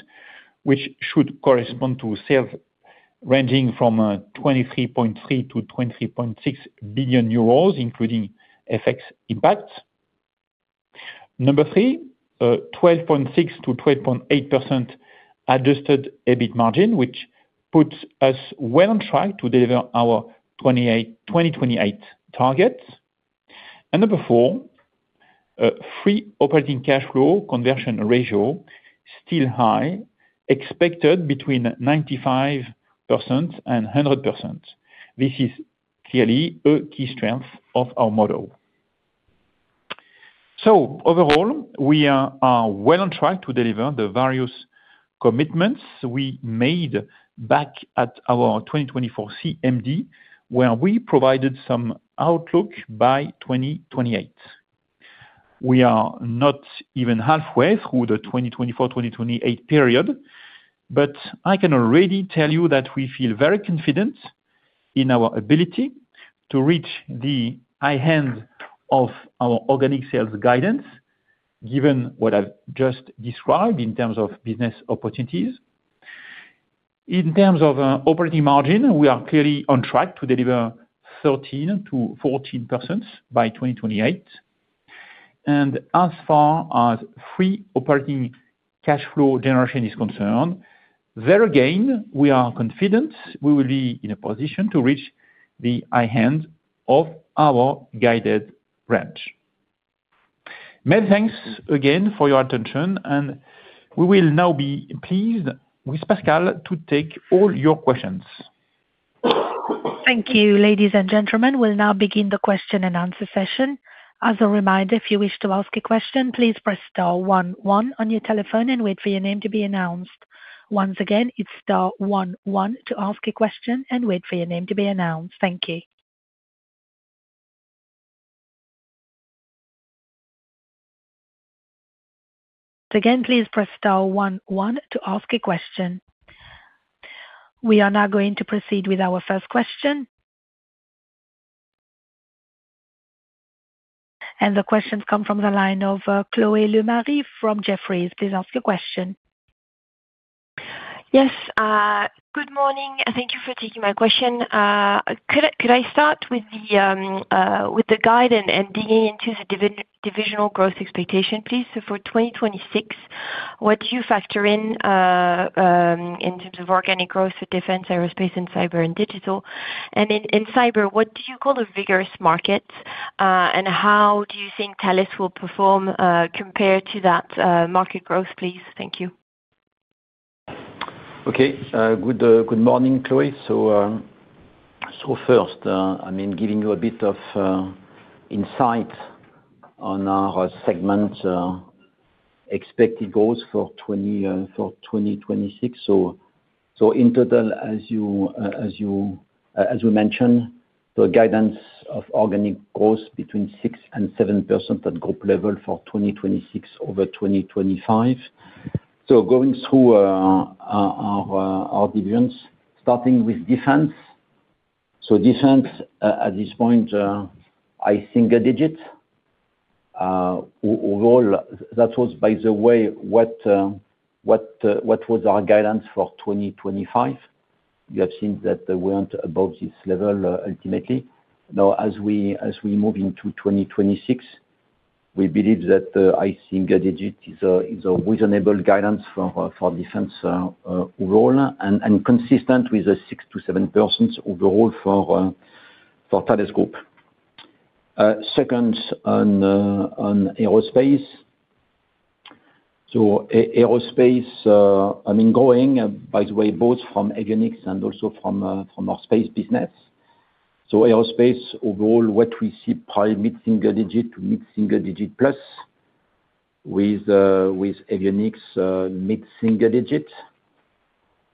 which should correspond to sales ranging from 23.3 billion-23.6 billion euros, including FX impact. Number three, a 12.6%-12.8% Adjusted EBIT Margin, which puts us well on track to deliver our 2028 targets. Number four, a free operating cash flow conversion ratio still high, expected between 95% and 100%. This is clearly a key strength of our model. Overall, we are well on track to deliver the various commitments we made back at our 2024 CMD, where we provided some outlook by 2028. We are not even halfway through the 2024-2028 period. I can already tell you that we feel very confident in our ability to reach the high end of our organic sales guidance, given what I've just described in terms of business opportunities. In terms of operating margin, we are clearly on track to deliver 13%-14% by 2028. As far as free operating cash flow generation is concerned, there again, we are confident we will be in a position to reach the high end of our guided range. Many thanks again for your attention. We will now be pleased with Pascal to take all your questions. Thank you. Ladies and gentlemen, we'll now begin the question-and-answer session. As a reminder, if you wish to ask a question, please press star one one on your telephone and wait for your name to be announced. Once again, it's star one one to ask a question and wait for your name to be announced. Thank you. Again, please press star one one to ask a question. We are now going to proceed with our first question. The question's come from the line of Chloé Lemarié from Jefferies. Please ask your question. Yes, good morning, and thank you for taking my question. Could I start with the guide and digging into the divisional growth expectation, please? For 2026, what do you factor in in terms of organic growth for defense, aerospace, and Cyber and Digital? In cyber, what do you call a vigorous market? How do you think Thales will perform compared to that market growth, please? Thank you. Good morning, Chloé. First, I mean, giving you a bit of insight on our segment. Expected goals for 2026. In total, as we mentioned, the guidance of organic growth between 6% and 7% at group level for 2026 over 2025. Going through our divisions, starting with Defense. Defense at this point, I think a digit overall. That was, by the way, what was our guidance for 2025. You have seen that we weren't above this level ultimately. As we move into 2026, we believe that I think a digit is a reasonable guidance for Defense role and consistent with the 6%-7% overall for Thales Group. Second on Aerospace. Aerospace, I mean, growing, by the way, both from Avionics and also from our space business. Aerospace overall, what we see probably mid-single digit to mid-single digit plus with Avionics mid-single digit.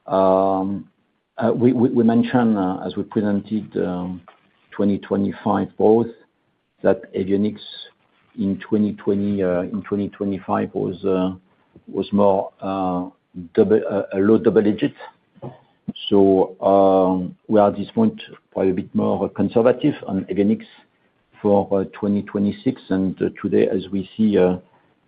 We mentioned as we presented, 2025 both that Avionics in 2020, in 2025 was more, double, a low double digits. We are at this point, probably a bit more conservative on Avionics for 2026. Today, as we see,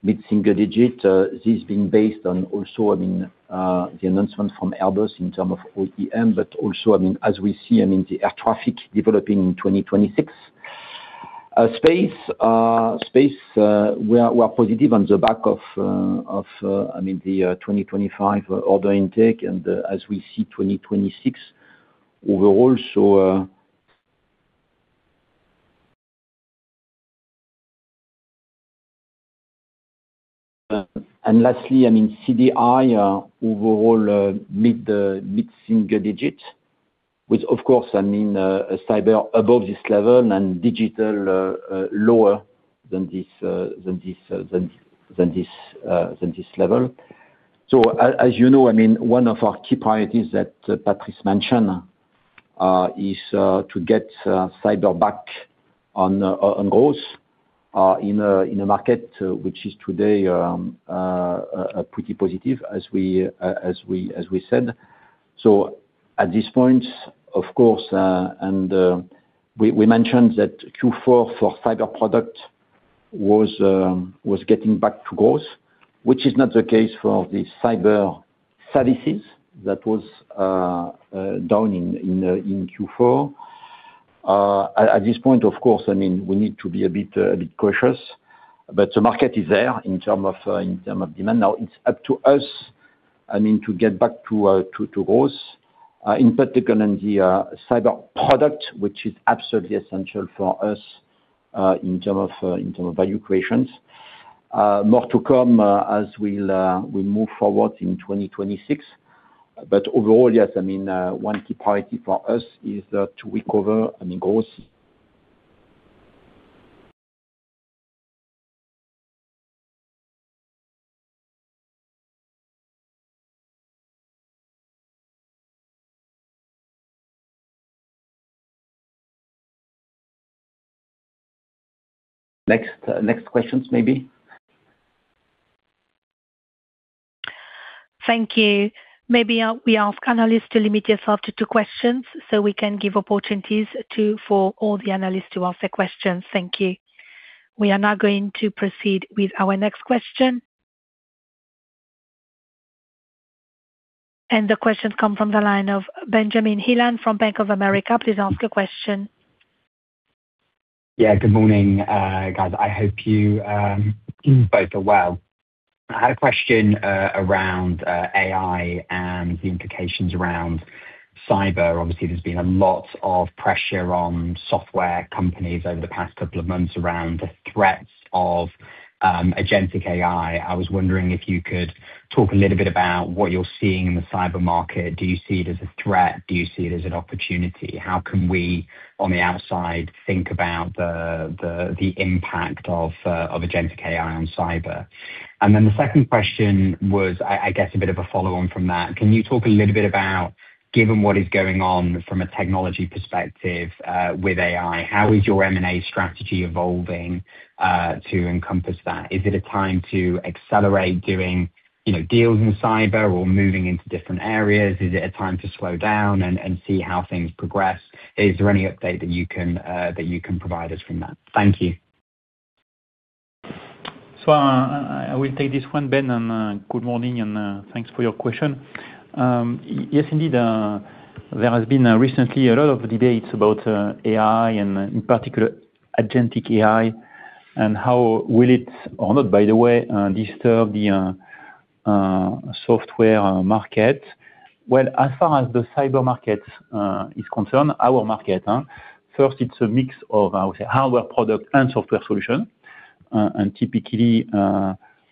mid-single digit, this being based on also, I mean, the announcement from Airbus in term of OEM. Also, I mean, as we see, I mean, the air traffic developing in 2026. Uh, space, uh, space, uh, we are, we are positive on the back of, uh, of, uh, I mean, the, uh, 2025 order intake and as we see twenty twenty-six overall. So, uh... And lastly, I mean, CDI, uh, overall, uh, mid, uh, mid-single digits. Which of course, I mean, uh, Cyber above this level and Digital, uh, uh, lower than this, uh, than this, than, than this, uh, than this level. So as, as you know, I mean, one of our key priorities that Patrice mentioned, uh, is, uh, to get, uh, Cyber back on, uh, on growth, uh, in a, in a market which is today, um, uh, pretty positive as we, uh, as we, as we said. At this point, of course, we mentioned that Q4 for Cyber product was getting back to growth, which is not the case for the Cyber services. That was down in Q4. At this point, of course, I mean, we need to be a bit cautious, but the market is there in term of demand. It's up to us, I mean, to get back to growth in particular in the Cyber product, which is absolutely essential for us in term of value creations. More to come as we'll move forward in 2026. Overall, yes, I mean, one key priority for us is to recover, I mean, growth. Next questions maybe. Thank you. Maybe we ask analysts to limit yourself to two questions so we can give opportunities for all the analysts to ask their questions. Thank you. We are now going to proceed with our next question. The questions come from the line of Ben Heelan from Bank of America. Please ask a question. Good morning, guys. I hope you both are well. I had a question around AI and the implications around Cyber. Obviously, there's been a lot of pressure on software companies over the past couple of months around the threats of agentic AI. I was wondering if you could talk a little bit about what you're seeing in the Cyber market. Do you see it as a threat? Do you see it as an opportunity? How can we, on the outside, think about the impact of agentic AI on Cyber? The second question was, I guess a bit of a follow on from that. Can you talk a little bit about, given what is going on from a technology perspective, with AI, how is your M&A strategy evolving to encompass that? Is it a time to accelerate doing, you know, deals in Cyber or moving into different areas? Is it a time to slow down and see how things progress? Is there any update that you can provide us from that? Thank you. I will take this one, Ben. Good morning and thanks for your question. Yes, indeed, there has been recently a lot of debates about AI and in particular agentic AI and how will it or not, by the way, disturb the software market. Well, as far as the Cyber market is concerned, our market, huh? First, it's a mix of, I would say, hardware product and software solution. Typically,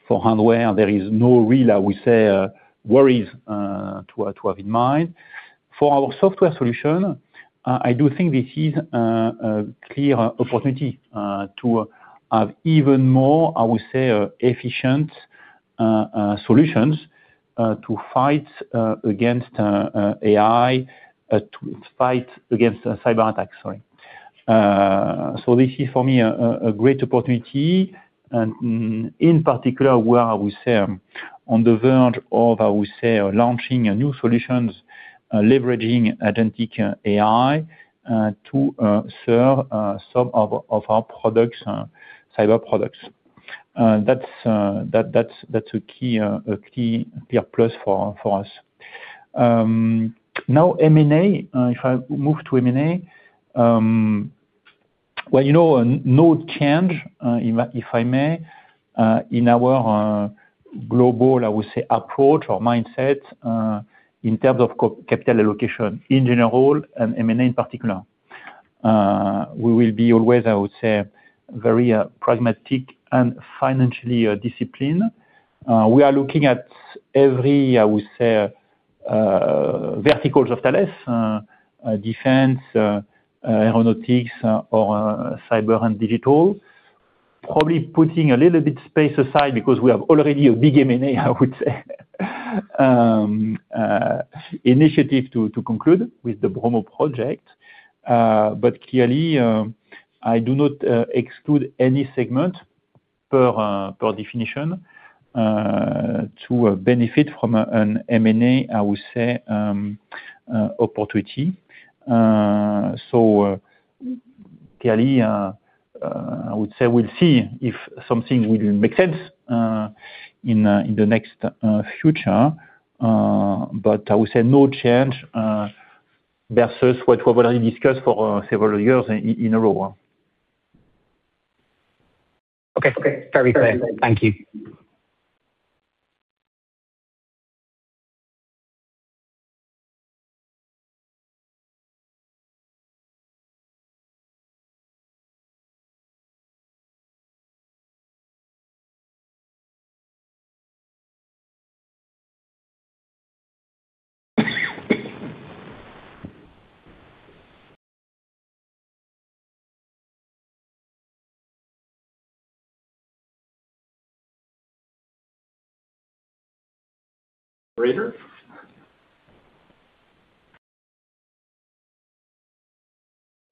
for hardware there is no real, we say, worries to have in mind. For our software solution- I do think this is a clear opportunity to have even more, I would say, efficient solutions to fight against AI, to fight against cyberattacks. Sorry. This is for me a great opportunity and in particular where I would say on the verge of how we say launching a new solutions, leveraging agentic AI, to serve some of our products, Cyber products. That's a key a key PR+ for us. M&A. If I move to M&A, well, you know, no change, if I may, in our global, I would say approach or mindset, in terms of capital allocation in general and M&A in particular. We will be always, I would say, very pragmatic and financially disciplined. We are looking at every, I would say, verticals of Thales, defense, aeronautics, or Cyber and Digital. Probably putting a little bit space aside because we have already a big M&A, I would say, initiative to conclude with the BROMO project. Clearly, I do not exclude any segment per definition to benefit from an M&A, I would say, opportunity. Clearly, I would say we'll see if something will make sense in the next future. I would say no change versus what we already discussed for several years in a row. Okay. Very clear. Thank you. Operator?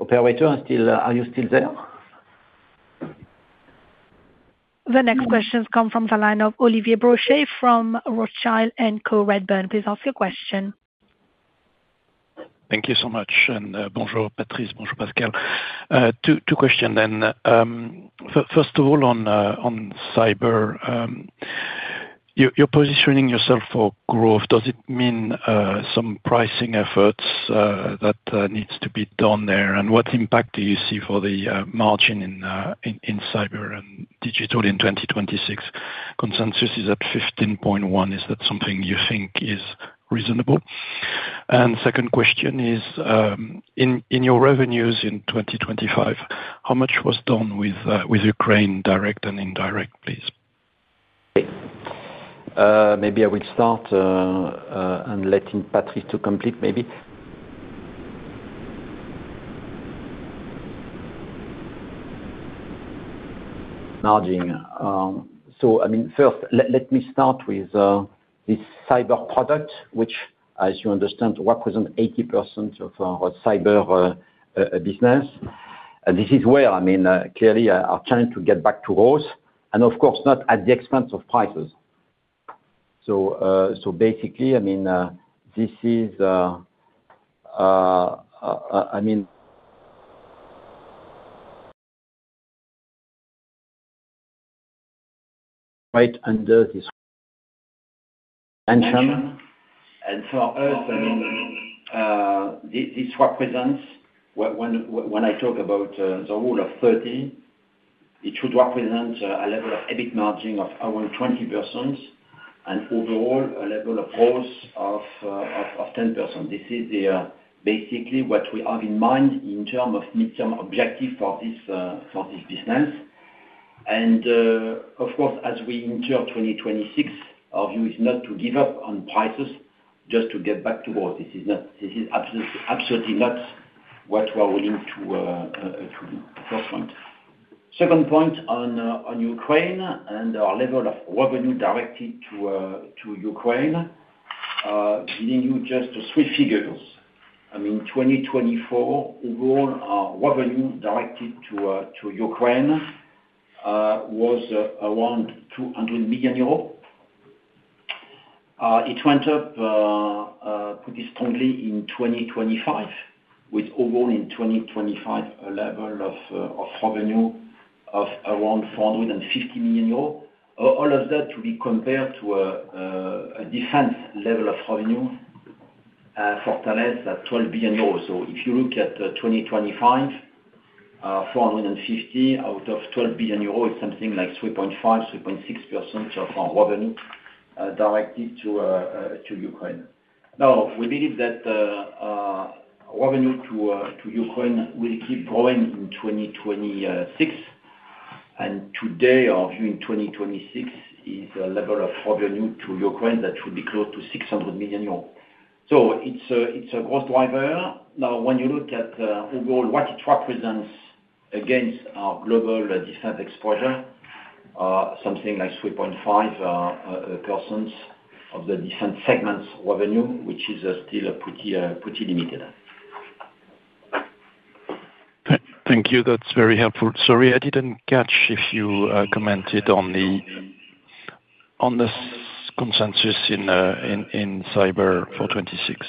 Operator, are you still there? The next questions come from the line of Olivier Brochet from Rothschild & Co Redburn. Please ask your question. Thank you so much. Bonjour Patrice, bonjour Pascal. Two questions. First of all, on cyber. You're positioning yourself for growth. Does it mean some pricing efforts that needs to be done there? What impact do you see for the margin in cyber and digital in 2026? Consensus is at 15.1%. Is that something you think is reasonable? Second question is, in your revenues in 2025, how much was done with Ukraine, direct and indirect, please? Maybe I will start, and letting Patrice to complete maybe. Margin. I mean, first let me start with this Cyber product, which as you understand represent 80% of our Cyber business. This is where, I mean, clearly our challenge to get back to growth and of course, not at the expense of prices. Basically, I mean, this is, I mean. Right under this. For us, I mean, this represents when I talk about the Rule of 30, it should represent a level of EBIT margin of around 20% and overall a level of growth of 10%. This is the basically what we have in mind in term of midterm objective for this for this business. Of course, as we enter 2026, our view is not to give up on prices just to get back to growth. This is not, this is absolutely not what we are willing to do. First point. Second point on Ukraine and our level of revenue directed to Ukraine. Giving you just three figures. I mean, 2024 overall revenue directed to Ukraine was around 200 million euros. It went up pretty strongly in 2025, with overall in 2025 a level of revenue of around 450 million euros. All of that to be compared to a defense level of revenue for Thales at 12 billion euros. If you look at 2025, 450 out of 12 billion euros, it's something like 3.5%, 3.6% of our revenue directed to Ukraine. We believe that revenue to Ukraine will keep growing in 2026. Today our view in 2026 is a level of revenue to Ukraine that should be close to 600 million euros. It's a growth driver. When you look at overall what it represents against our global defense exposure, something like 3.5% of the defense segment's revenue, which is still a pretty limited. Thank you. That's very helpful. Sorry, I didn't catch if you commented on the consensus in Cyber for 2026.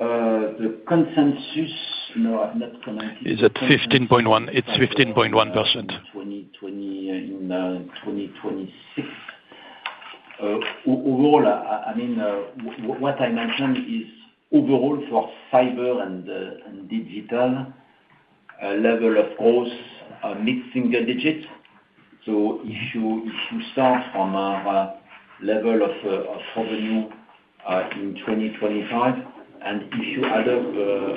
The consensus, no, I've not. Is it 15.1? It's 15.1%. 2020, in 2026. Overall, I mean, what I mentioned is overall for Cyber and Digital, a level of growth of mid-single digits. If you start from our level of revenue in 2025, and if you add up,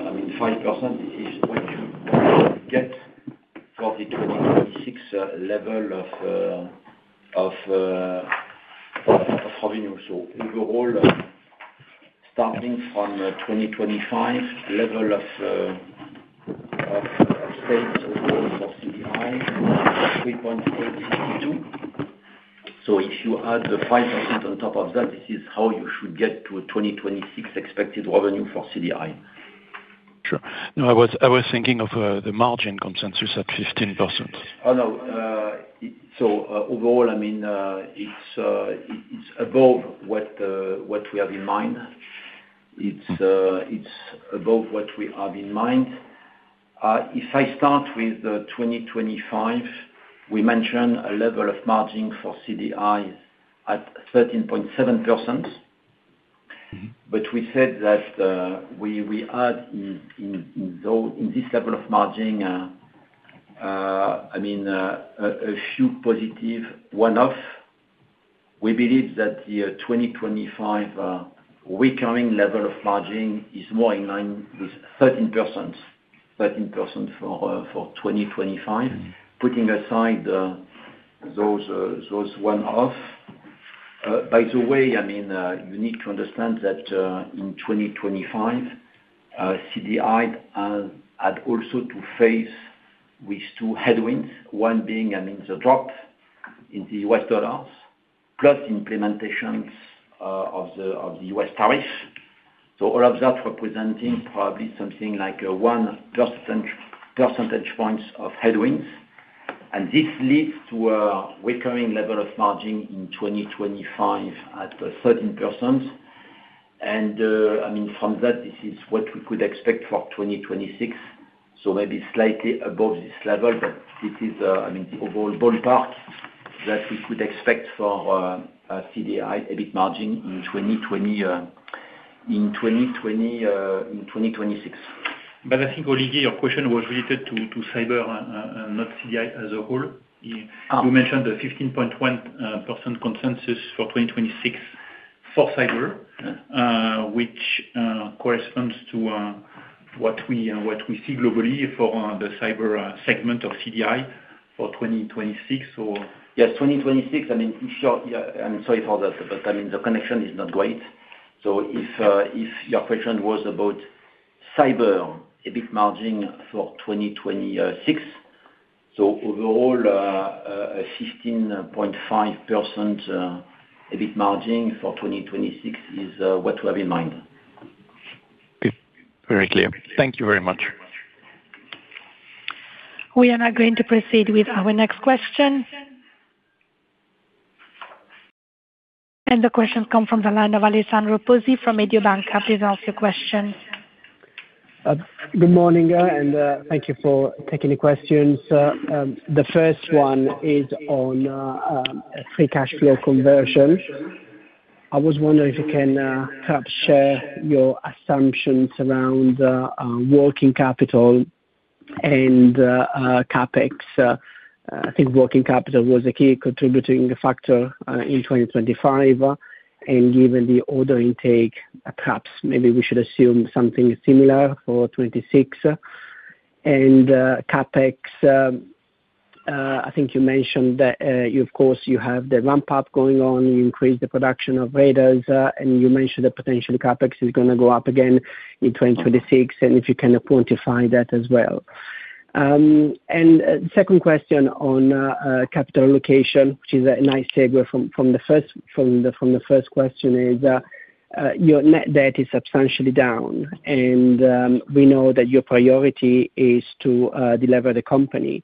I mean, 5% is what you get for the 2026 level of revenue. Overall starting from 2025 level of sales overall for CDI, 3.862. If you add the 5% on top of that, this is how you should get to a 2026 expected revenue for CDI. Sure. No, I was thinking of, the margin consensus at 15%. Oh, no. Overall, I mean, it's above what we have in mind. It's, it's above what we have in mind. If I start with 2025, we mentioned a level of margin for CDI at 13.7%. Mm-hmm. We said that we add in this level of margin, I mean, a few positive one-off. We believe that the 2025 recurring level of margin is more in line with 13% for 2025, putting aside those one-off. By the way, I mean, you need to understand that in 2025 CDI had also to face with two headwinds, one being, I mean, the drop in the US dollars, plus implementations of the US tariff. All of that representing probably something like one percentage points of headwinds. This leads to a recurring level of margin in 2025 at 13%. I mean, from that, this is what we could expect for 2026. Maybe slightly above this level, but this is, I mean, the overall ballpark that we could expect for CDI, EBIT margin in 2026. I think, Olivier, your question was related to cyber and not CDI as a whole. Ah. You mentioned the 15.1% consensus for 2026 for Cyber which corresponds to what we see globally for the Cyber segment of CDI for 2026. Yes, 2026. I mean, sure. Yeah, I'm sorry for that. I mean, the connection is not great. If your question was about Cyber EBIT margin for 2026, overall, a 15.5% EBIT margin for 2026 is what to have in mind. Okay. Very clear. Thank you very much. We are now going to proceed with our next question. The question comes from the line of Alessandro Pozzi from Mediobanca. Please ask your question. Good morning, and thank you for taking the questions. The first one is on Free Cash Flow conversion. I was wondering if you can perhaps share your assumptions around working capital and CapEx. I think working capital was a key contributing factor in 2025. Given the order intake, perhaps maybe we should assume something similar for 2026. CapEx, I think you mentioned that you of course have the ramp-up going on. You increased the production of radars. You mentioned that potentially CapEx is gonna go up again in 2026, and if you can quantify that as well. Second question on capital allocation, which is a nice segue from the first question is your net debt is substantially down. We know that your priority is to delever the company.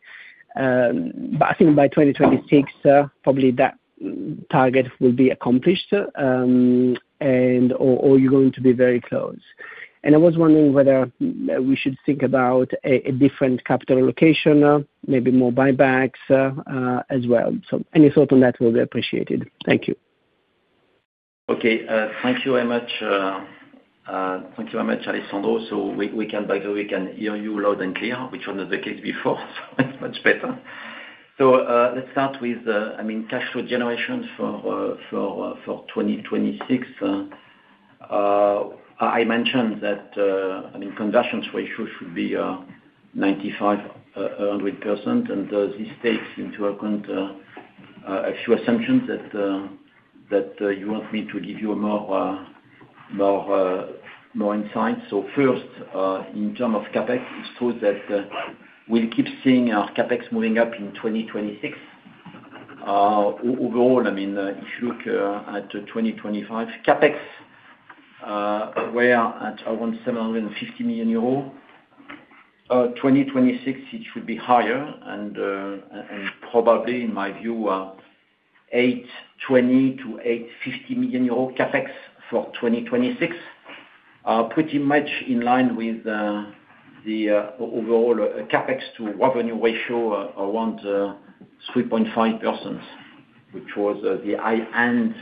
I think by 2026, probably that target will be accomplished, and or you're going to be very close. I was wondering whether we should think about a different capital allocation, maybe more buybacks as well. Any thought on that will be appreciated. Thank you. Okay. Thank you very much. Thank you very much, Alessandro. We can hear you loud and clear, which was not the case before, so it's much better. Let's start with the, I mean, cash flow generation for 2026. I mentioned that, I mean conversions ratio should be 95%-100%. This takes into account a few assumptions that you want me to give you more, more, more insight. First, in term of CapEx, it's true that we'll keep seeing our CapEx moving up in 2026. Overall, I mean, if you look at 2025 CapEx, we're at around EUR 750 million. 2026, it should be higher, probably in my view, 820 million-850 million euro CapEx for 2026. Pretty much in line with the overall CapEx to revenue ratio around 3.5%, which was the high end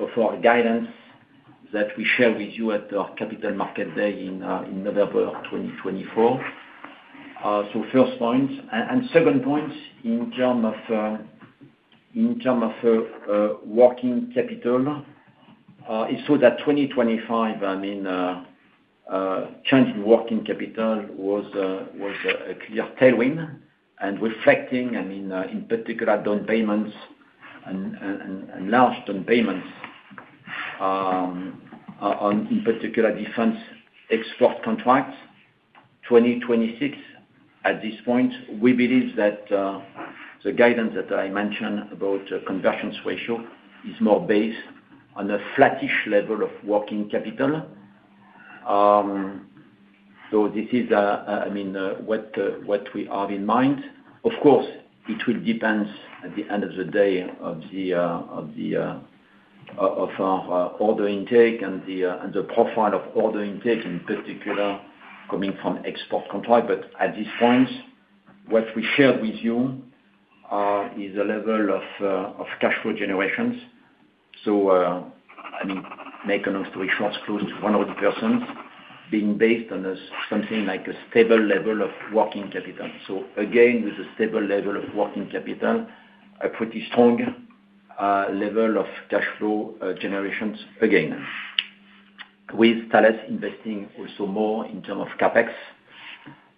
of our guidance that we shared with you at our Capital Markets Day in November of 2024. First point. Second point in term of working capital, it's true that 2025, I mean, change in working capital was a clear tailwind, and reflecting, I mean, in particular down payments and large down payments on, in particular defense export contracts. 2026, at this point, we believe that the guidance that I mentioned about conversion ratio is more based on a flattish level of working capital. This is, I mean, what we have in mind. Of course, it will depend at the end of the day of our order intake and the profile of order intake, in particular coming from export contract. At this point, what we shared with you is a level of cash flow generation. I mean, make an inaudible close to 100% being based on something like a stable level of working capital. Again, with a stable level of working capital, a pretty strong level of cash flow generation, again. With Thales investing also more in terms of CapEx.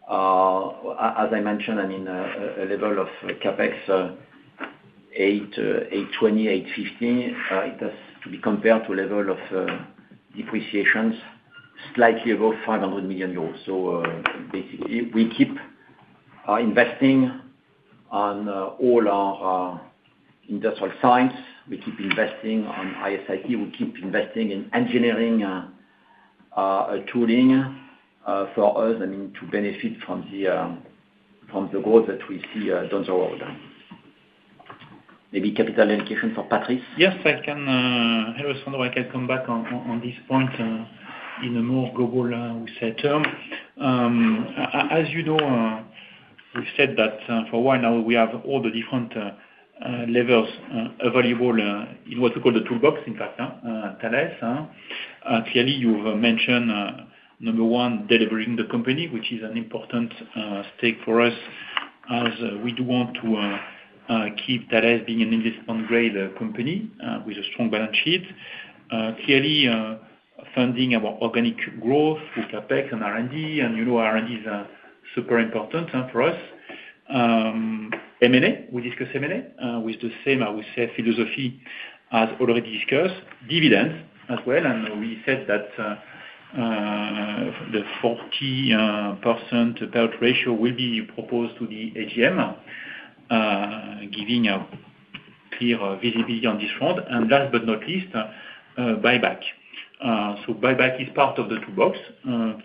As I mentioned, I mean, a level of CapEx, 820, 815, it has to be compared to a level of depreciations slightly above 500 million euros. Basically we keep investing on all our industrial science. We keep investing on ISIT. We keep investing in engineering, tooling, for us, I mean, to benefit from the growth that we see down the road. Maybe capital allocation for Patrice? Yes, I can, Alessandro, I can come back on, on this point in a more global, we say term. As you know, we've said that for a while now we have all the different levels available in what we call the toolbox, in fact, Thales. Clearly you've mentioned number one, delivering the company, which is an important stake for us as we do want to keep Thales being an investment-grade company with a strong balance sheet. Clearly, funding our organic growth with CapEx and R&D, and you know R&D is super important for us. M&A, we discussed M&A with the same, I would say, philosophy as already discussed. Dividends as well, we said that the 40% payout ratio will be proposed to the AGM, giving a clear visibility on this front. Last but not least, buyback. Buyback is part of the toolbox,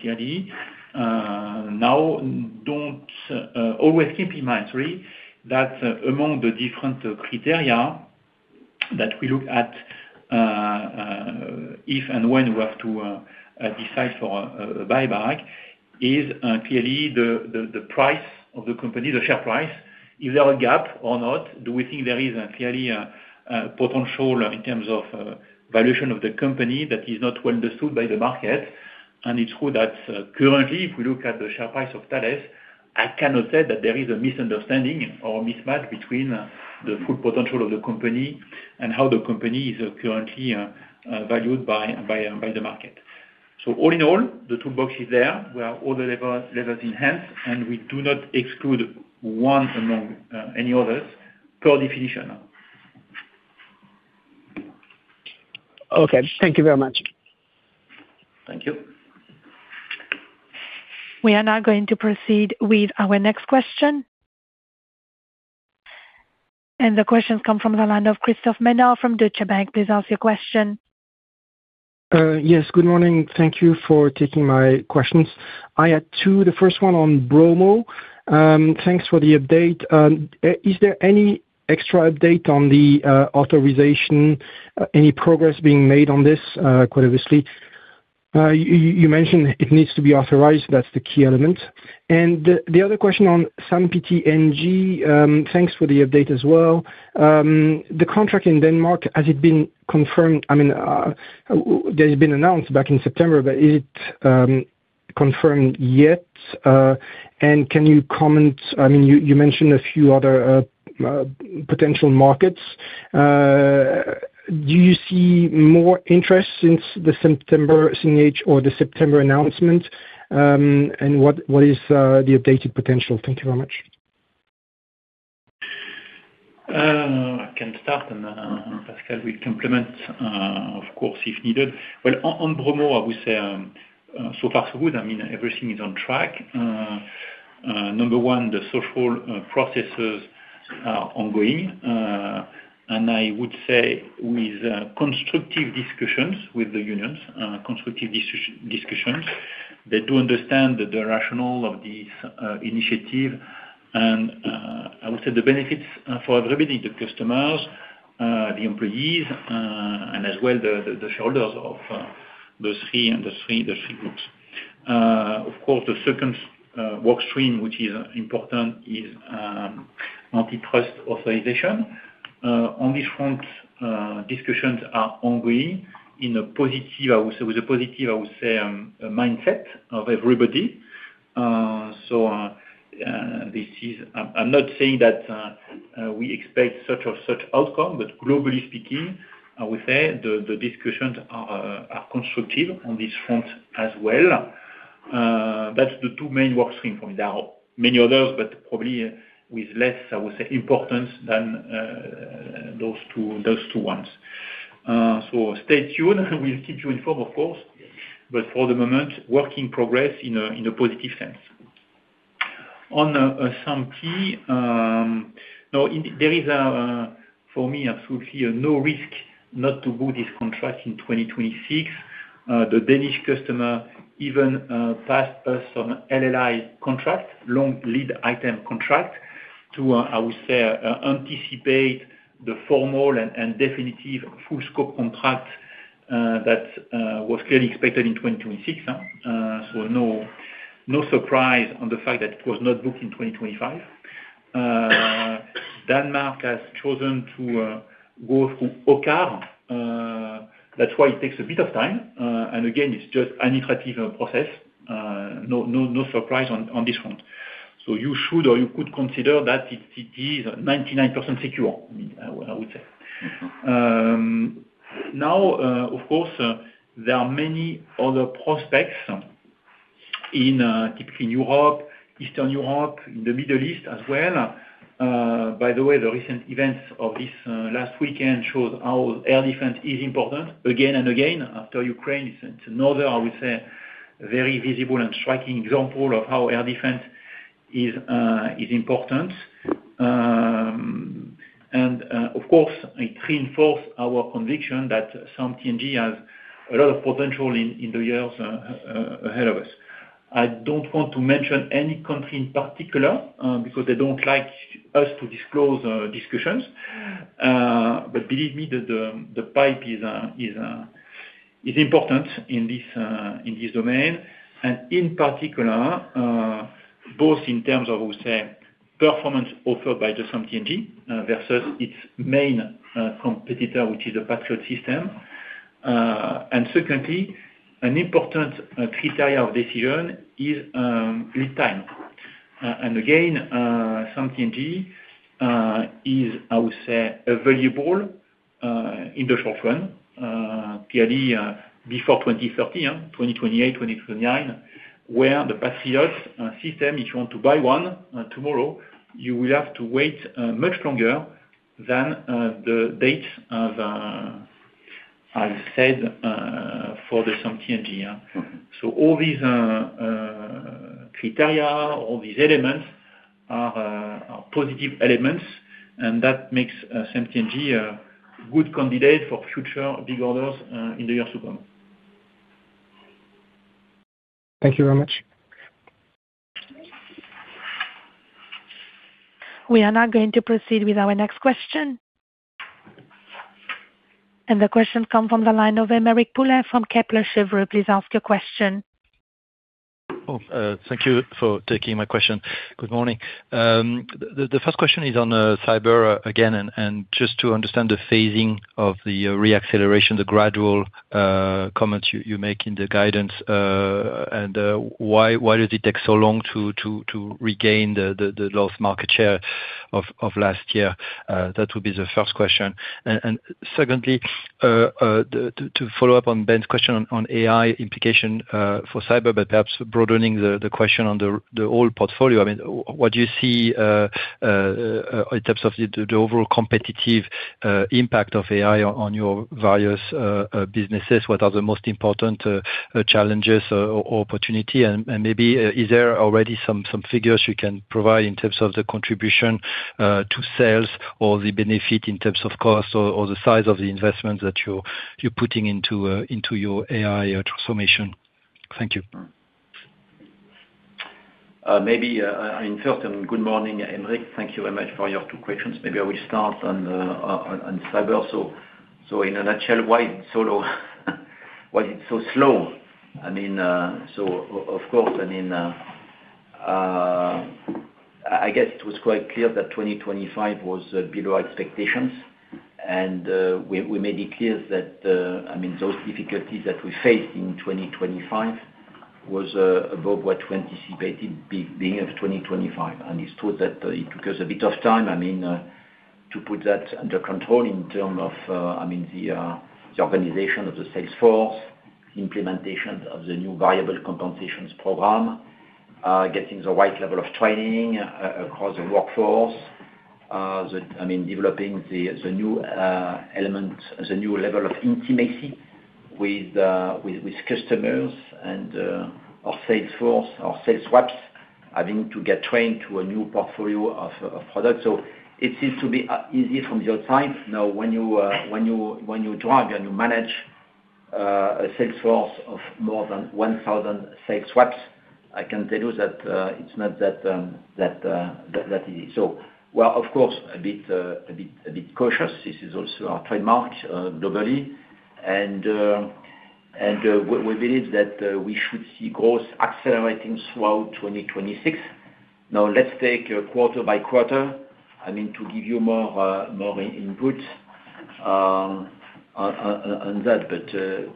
clearly. Now don't always keep in mind, sorry, that among the different criteria that we look at, if and when we have to decide for a buyback is clearly the price of the company, the share price. Is there a gap or not? Do we think there is a clearly potential in terms of valuation of the company that is not well understood by the market? It's true that, currently, if we look at the share price of Thales, I cannot say that there is a misunderstanding or a mismatch between the full potential of the company and how the company is currently valued by the market. All in all, the toolbox is there. We have all the levels, levers enhanced, and we do not exclude one among any others per definition. Okay, thank you very much. Thank you. We are now going to proceed with our next question. The question comes from the line of Christophe Menard from Deutsche Bank. Please ask your question. Yes, good morning. Thank you for taking my questions. I had two. The first one on BROMO. Thanks for the update. Is there any extra update on the authorization? Any progress being made on this, quite obviously? You mentioned it needs to be authorized. That's the key element. The other question on SAMP/T NG, thanks for the update as well. The contract in Denmark, has it been confirmed? I mean, that has been announced back in September, but is it confirmed yet. Can you comment, I mean, you mentioned a few other potential markets. Do you see more interest since the September CMD or the September announcement? What is the updated potential? Thank you very much. I can start and Pascal will complement, of course, if needed. Well, on BROMO, I would say, so far, so good. I mean, everything is on track. Number one, the social processes are ongoing, and I would say with constructive discussions with the unions, constructive discussions. They do understand the rationale of this initiative and I would say the benefits for everybody, the customers, the employees, and as well the shareholders of those three industry, the three groups. Of course the 2nd work stream, which is important, is antitrust authorization. On this front, discussions are ongoing in a positive, I would say, with a positive, I would say, mindset of everybody. This is... I'm not saying that, we expect such or such outcome, but globally speaking, I would say the discussions are constructive on this front as well. That's the two main work stream for me. There are many others, but probably with less, I would say, importance than those two, those two ones. Stay tuned. We'll keep you informed, of course, but for the moment, work in progress in a positive sense. On SAMP/T, now there is, for me, absolutely no risk not to book this contract in 2026. The Danish customer even passed us some LLI contract, long lead item contract, to, I would say, anticipate the formal and definitive full scope contract that was clearly expected in 2026. No surprise on the fact that it was not booked in 2025. Denmark has chosen to go through OCCAR. That's why it takes a bit of time, and again, it's just an iterative process. No surprise on this front. You should or you could consider that it is 99% secure, I would say. Now, of course, there are many other prospects in typically in Europe, Eastern Europe, in the Middle East as well. By the way, the recent events of this last weekend showed how air defense is important again and again, after Ukraine, it's another, I would say, very visible and striking example of how air defense is important. Of course, it reinforce our conviction that SAMP/T NG has a lot of potential in the years ahead of us. I don't want to mention any country in particular, because they don't like us to disclose our discussions. Believe me, the pipe is important in this domain. In particular, both in terms of, say, performance offered by the SAMP/T NG versus its main competitor, which is a Patriot system. Secondly, an important criteria of decision is lead time. And again, SAMP/T NG is, I would say, available in the short run, clearly before 2030, 2028, 2029, where the Patriot system, if you want to buy one tomorrow, you will have to wait much longer than the date of, I said, for the SAMP/T NG. So all these criteria, all these elements are positive elements, and that makes SAMP/T NG a good candidate for future big orders in the years to come. Thank you very much. We are now going to proceed with our next question. The question comes from the line of Aymeric Poulain from Kepler Cheuvreux. Please ask your question. Thank you for taking my question. Good morning. The first question is on Cyber again, and just to understand the phasing of the re-acceleration, the gradual comments you make in the guidance, and why does it take so long to regain the lost market share of last year? That would be the first question. Secondly, to follow up on Ben's question on AI implication for Cyber, but perhaps broadening the question on the whole portfolio. I mean, what do you see in terms of the overall competitive impact of AI on your various businesses? What are the most important challenges or opportunity? Maybe, is there already some figures you can provide in terms of the contribution to sales or the benefit in terms of cost or the size of the investment that you're putting into your AI transformation? Thank you. Maybe, in fact, good morning, Aymeric. Thank you very much for your two questions. Maybe I will start on cyber. In a nutshell, why so low? Why it's so slow? I mean. I guess it was quite clear that 2025 was below expectations. we made it clear that, I mean, those difficulties that we faced in 2025 was above what we anticipated being of 2025. it's true that it took us a bit of time, I mean, to put that under control in term of, I mean, the organization of the sales force, implementation of the new variable compensations program, getting the right level of training across the workforce. I mean, developing the new element, the new level of intimacy with customers and our sales force, our sales reps, I mean, to get trained to a new portfolio of products. it seems to be easy from your side. Now, when you drive and you manage a sales force of more than 1,000 sales reps, I can tell you that it's not that easy. We are, of course, a bit cautious. This is also our trademark globally. We believe that we should see growth accelerating throughout 2026. Now, let's take it quarter by quarter, I mean, to give you more input on that.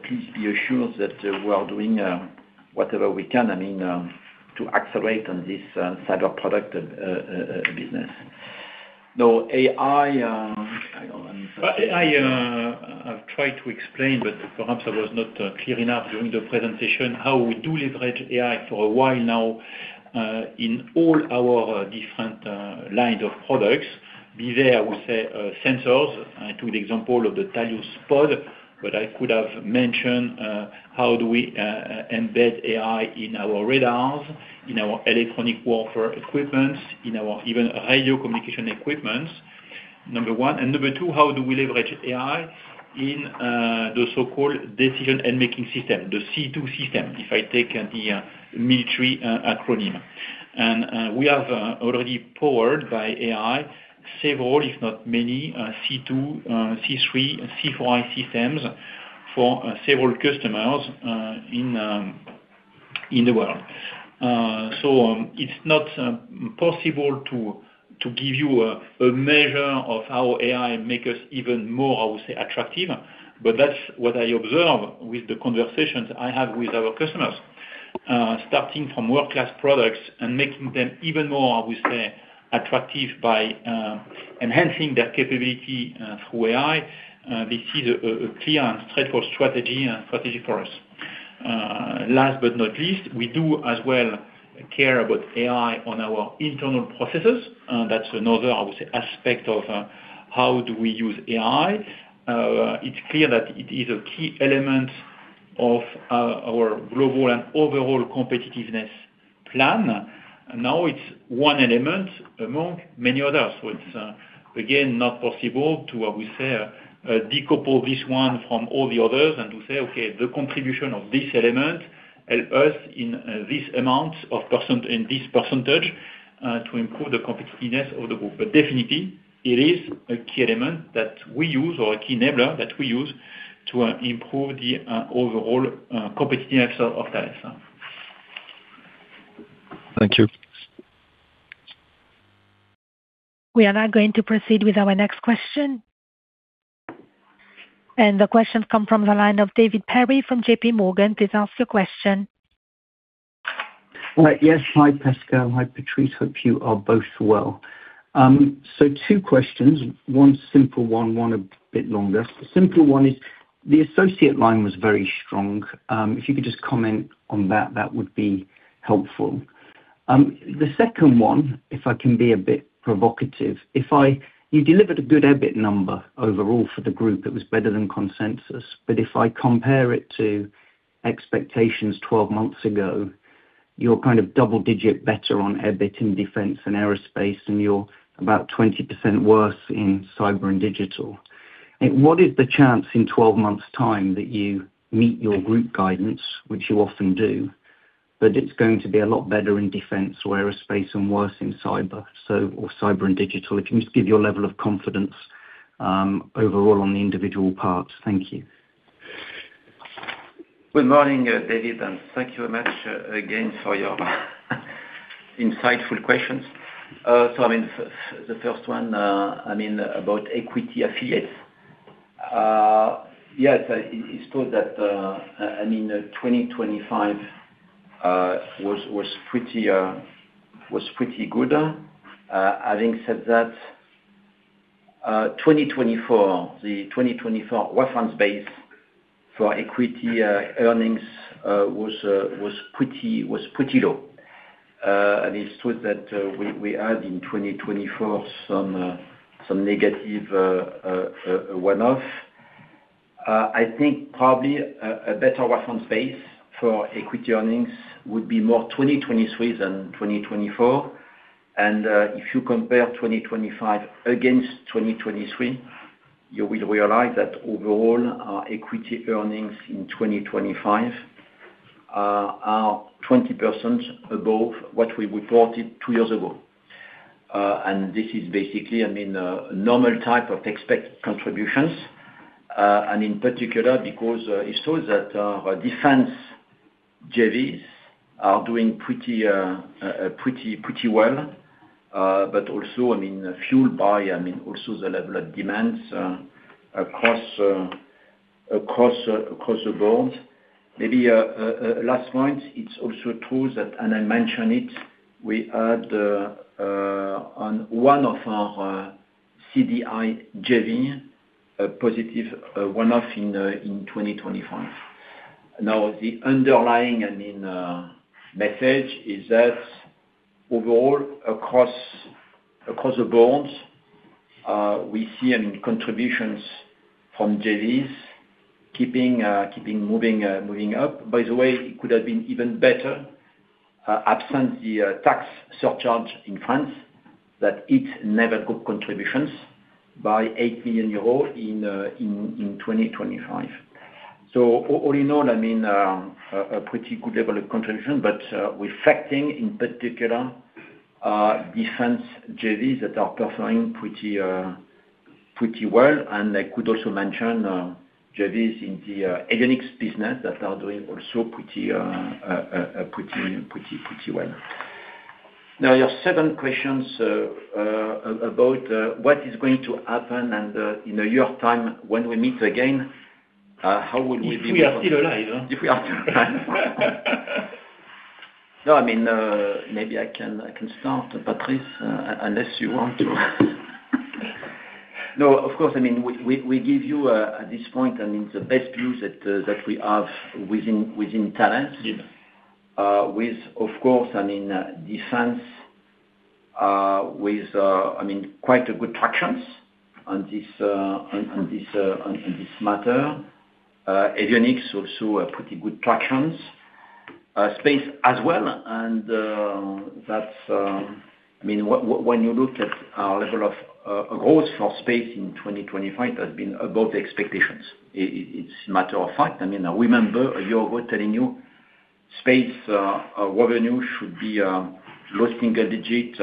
Please be assured that we are doing whatever we can, I mean, to accelerate on this Cyber product business. Now AI... I've tried to explain, but perhaps I was not clear enough during the presentation, how we do leverage AI for a while now, in all our different lines of products. Be there, I would say, sensors. I took the example of the TALIOS Pod, but I could have mentioned, how do we embed AI in our radars, in our electronic warfare equipment, in our even radio communication equipment, number one. Number two, how do we leverage AI in the so-called decision and making system, the C2 system, if I take the military acronym. We have already powered by AI several, if not many, C2, C3, C4I systems for several customers in the world. It's not possible to give you a measure of how AI make us even more, I would say, attractive, but that's what I observe with the conversations I have with our customers. Starting from world-class products and making them even more, I would say, attractive by enhancing their capability through AI. This is a clear and straightforward strategy for us. Last but not least, we do as well care about AI on our internal processes. That's another, I would say, aspect of how do we use AI. It's clear that it is a key element of our global and overall competitiveness plan. It's one element among many others. It's again, not possible to, I would say, decouple this one from all the others and to say, "Okay, the contribution of this element help us in this percentage to improve the competitiveness of the group." Definitely, it is a key element that we use, or a key enabler that we use to improve the overall competitiveness of Thales. Thank you. We are now going to proceed with our next question. The question come from the line of David Perry from J.P. Morgan. Please ask your question. Yes. Hi, Pascal. Hi, Patrice. Hope you are both well. Two questions, one simple one a bit longer. The simple one is, the associate line was very strong. If you could just comment on that would be helpful. The second one, if I can be a bit provocative. You delivered a good EBIT number overall for the group that was better than consensus. If I compare it to expectations 12 months ago, you're kind of double-digit better on EBIT in defense and aerospace, and you're about 20% worse in Cyber and Digital. What is the chance in 12 months' time that you meet your group guidance, which you often do, but it's going to be a lot better in defense or aerospace and worse in Cyber or Cyber and Digital? If you just give your level of confidence, overall on the individual parts. Thank you. Good morning, David, thank you very much again for your insightful questions. I mean, the first one, I mean, about equity affiliates. Yes, it's true that, I mean, 2025 was pretty good. Having said that, 2024, the 2024 reference base for equity earnings was pretty low. It's true that we had in 2024 some negative one-off. I think probably a better reference base for equity earnings would be more 2023 than 2024. If you compare 2025 against 2023, you will realize that overall our equity earnings in 2025 are 20% above what we reported two years ago. This is basically, I mean, a normal type of tax-based contributions. In particular because it shows that our defense JVs are doing pretty well. Also, I mean, fueled by, I mean, also the level of demands across the board. Maybe last point, it's also true that, and I mentioned it, we had on one of our CDI JV a positive one-off in 2025. The underlying, I mean, message is that overall, across the board, we see, I mean, contributions from JVs keeping moving up. By the way it could have been even better, absent the tax surcharge in France that it never got contributions by 8 million euros in 2025. All in all, I mean, a pretty good level of contribution, but reflecting in particular defense JVs that are performing pretty well. I could also mention JVs in the avionics business that are doing also pretty well. Your second question's about what is going to happen and in a year time when we meet again, how will we be- If we are still alive. If we are still alive. No, I mean, maybe I can start, Patrice, unless you want to. No, of course, I mean, we give you at this point, I mean, the best views that we have within Thales. Yes. With of course, I mean, defense, I mean, quite a good tractions on this, on this, on this matter. Avionics also a pretty good tractions. Space as well, that's, I mean, when you look at our level of growth for space in 2025, that's been above the expectations. It's a matter of fact. I mean, I remember a year ago telling you space revenue should be low single digit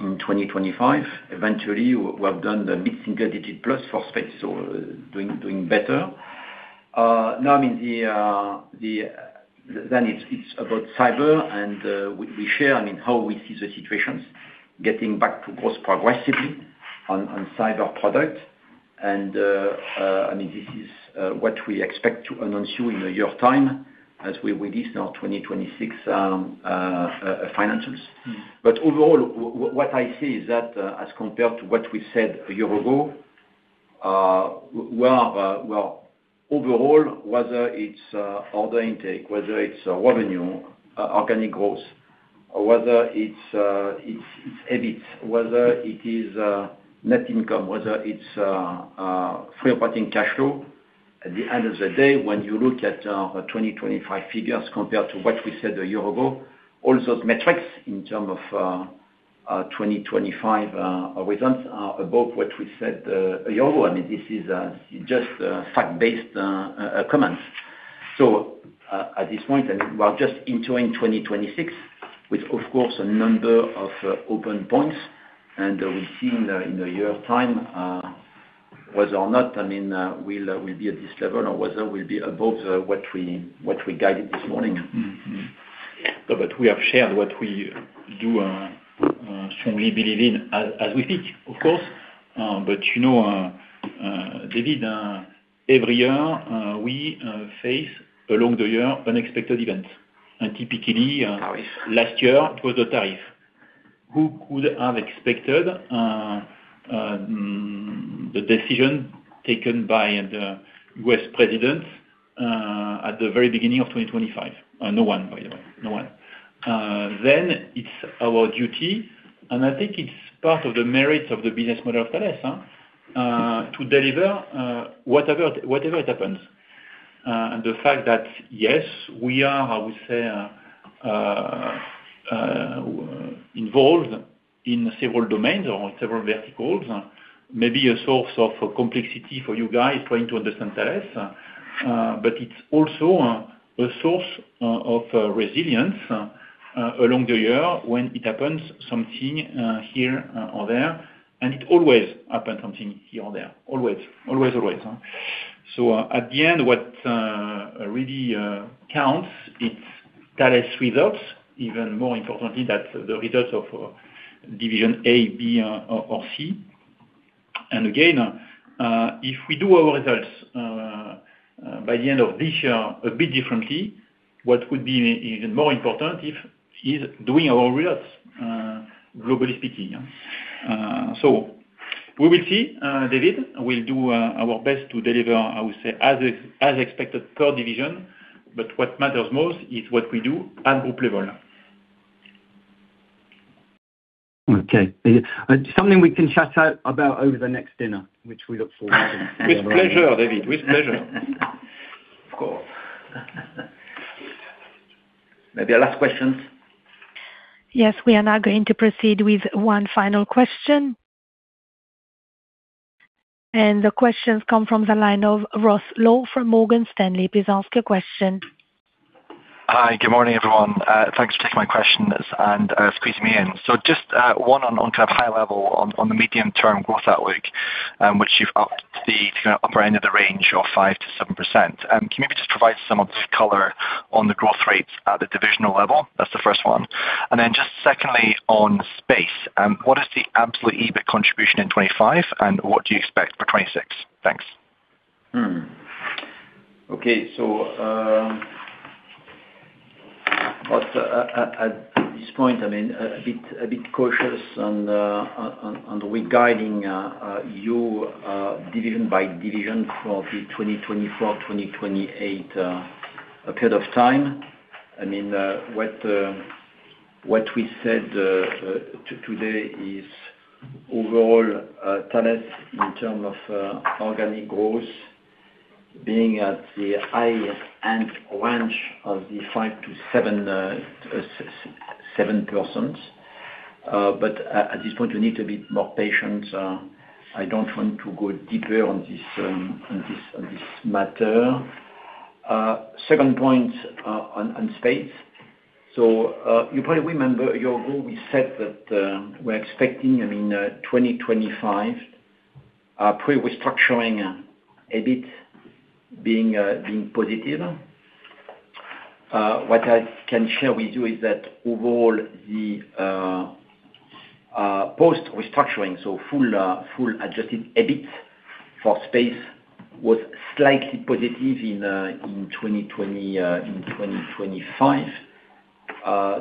in 2025. Eventually, we've done the mid-single digit plus for space, so doing better. Now, I mean, it's about cyber, we share, I mean, how we see the situations getting back to growth progressively on cyber product. I mean, this is what we expect to announce you in a year time as we release our 2026 financials. Overall, what I see is that as compared to what we said a year ago, well, overall, whether it's order intake, whether it's revenue, organic growth, or whether it's EBIT, whether it is net income, whether it's free operating cash flow, at the end of the day, when you look at our 2025 figures compared to what we said a year ago, all those metrics in term of our 2025 results are above what we said a year ago. I mean, this is just fact-based comments. At this point, I mean, we're just entering 2026 with, of course, a number of open points. We'll see in a year time, whether or not, I mean, we'll be at this level or whether we'll be above what we guided this morning. We have shared what we do strongly believe in as we speak, of course. You know, David, every year, we face along the year unexpected events. Typically. Tariffs. last year it was the tariff. Who could have expected, the decision taken by the U.S. president, at the very beginning of 2025? No one, by the way. No one. It's our duty, and I think it's part of the merits of the business model of Thales, to deliver, whatever it happens. The fact that, yes, we are, how we say, involved in several domains or several verticals, maybe a source of complexity for you guys trying to understand Thales. It's also a source of resilience, along the year when it happens something, here or there. It always happen something here or there. Always. Always, always, huh? At the end, what really counts, it's Thales results, even more importantly, that the results of division A, B, or C. Again, if we do our results by the end of this year a bit differently, what would be even more important if is doing our results globally speaking, yeah? We will see, David. We'll do our best to deliver, I would say, as expected per division, but what matters most is what we do at group level. Okay. Something we can chat, about over the next dinner, which we look forward to. With pleasure, David. With pleasure. Of course. Maybe a last question. We are now going to proceed with one final question. The questions come from the line of Ross Law from Morgan Stanley. Please ask your question. Hi, good morning, everyone. Thanks for taking my questions and squeezing me in. Just one on kind of high level, on the medium term growth outlook, which you've upped the, kind of upper end of the range of 5%-7%. Can you maybe just provide some of the color on the growth rates at the divisional level? That's the first one. Secondly, on Space, what is the absolute EBIT contribution in 2025, and what do you expect for 2026? Thanks. Okay. At this point, I mean, a bit, a bit cautious on regarding, you division by division for the 2024-2028 period of time. I mean, what we said today is overall, Thales in term of organic growth being at the high end range of the 5-7, 7%. At this point, we need to be more patient. I don't want to go deeper on this matter. Second point, on Space. You probably remember a year ago, we said that we're expecting, I mean, 2025, pre-restructuring, EBIT being positive. What I can share with you is that overall the post-restructuring, so full Adjusted EBIT for Space was slightly positive in 2025,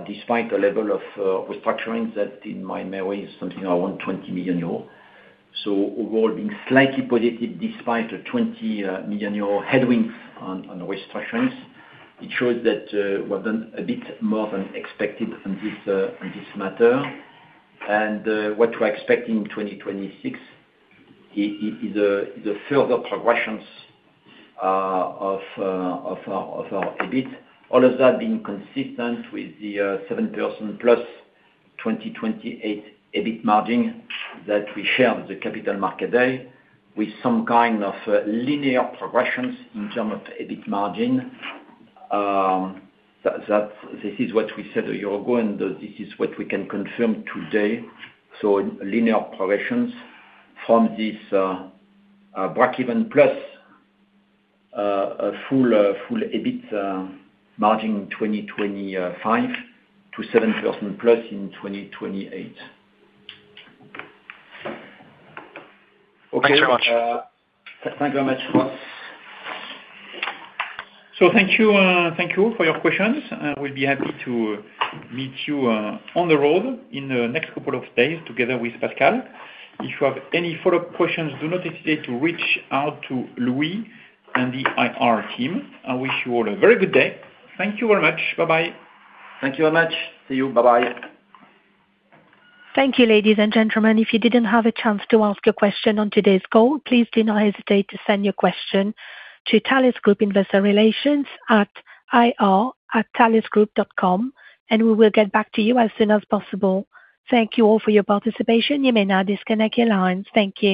despite the level of restructurings that in my memory is something around 20 million euros. Overall being slightly positive despite a 20 million euro headwind on restructurings. It shows that we've done a bit more than expected on this matter. What we're expecting in 2026 is a further progressions of our EBIT. All of that being consistent with the 7%+ 2028 EBIT margin that we shared at the Capital Markets Day with some kind of linear progressions in term of EBIT margin. That this is what we said a year ago, and this is what we can confirm today. Linear progressions from this, breakeven plus, a full EBIT margin in 2025 to 7%+ in 2028. Thanks so much. Thank you very much, Ross. Thank you, thank you for your questions. We'll be happy to meet you on the road in the next couple of days together with Pascal. If you have any follow-up questions, do not hesitate to reach out to Louis and the IR team. I wish you all a very good day. Thank you very much. Bye-bye. Thank you very much. See you. Bye-bye. Thank you, ladies and gentlemen. If you didn't have a chance to ask a question on today's call, please do not hesitate to send your question to Thales Group Investor Relations at ir@thalesgroup.com, and we will get back to you as soon as possible. Thank you all for your participation. You may now disconnect your lines. Thank you.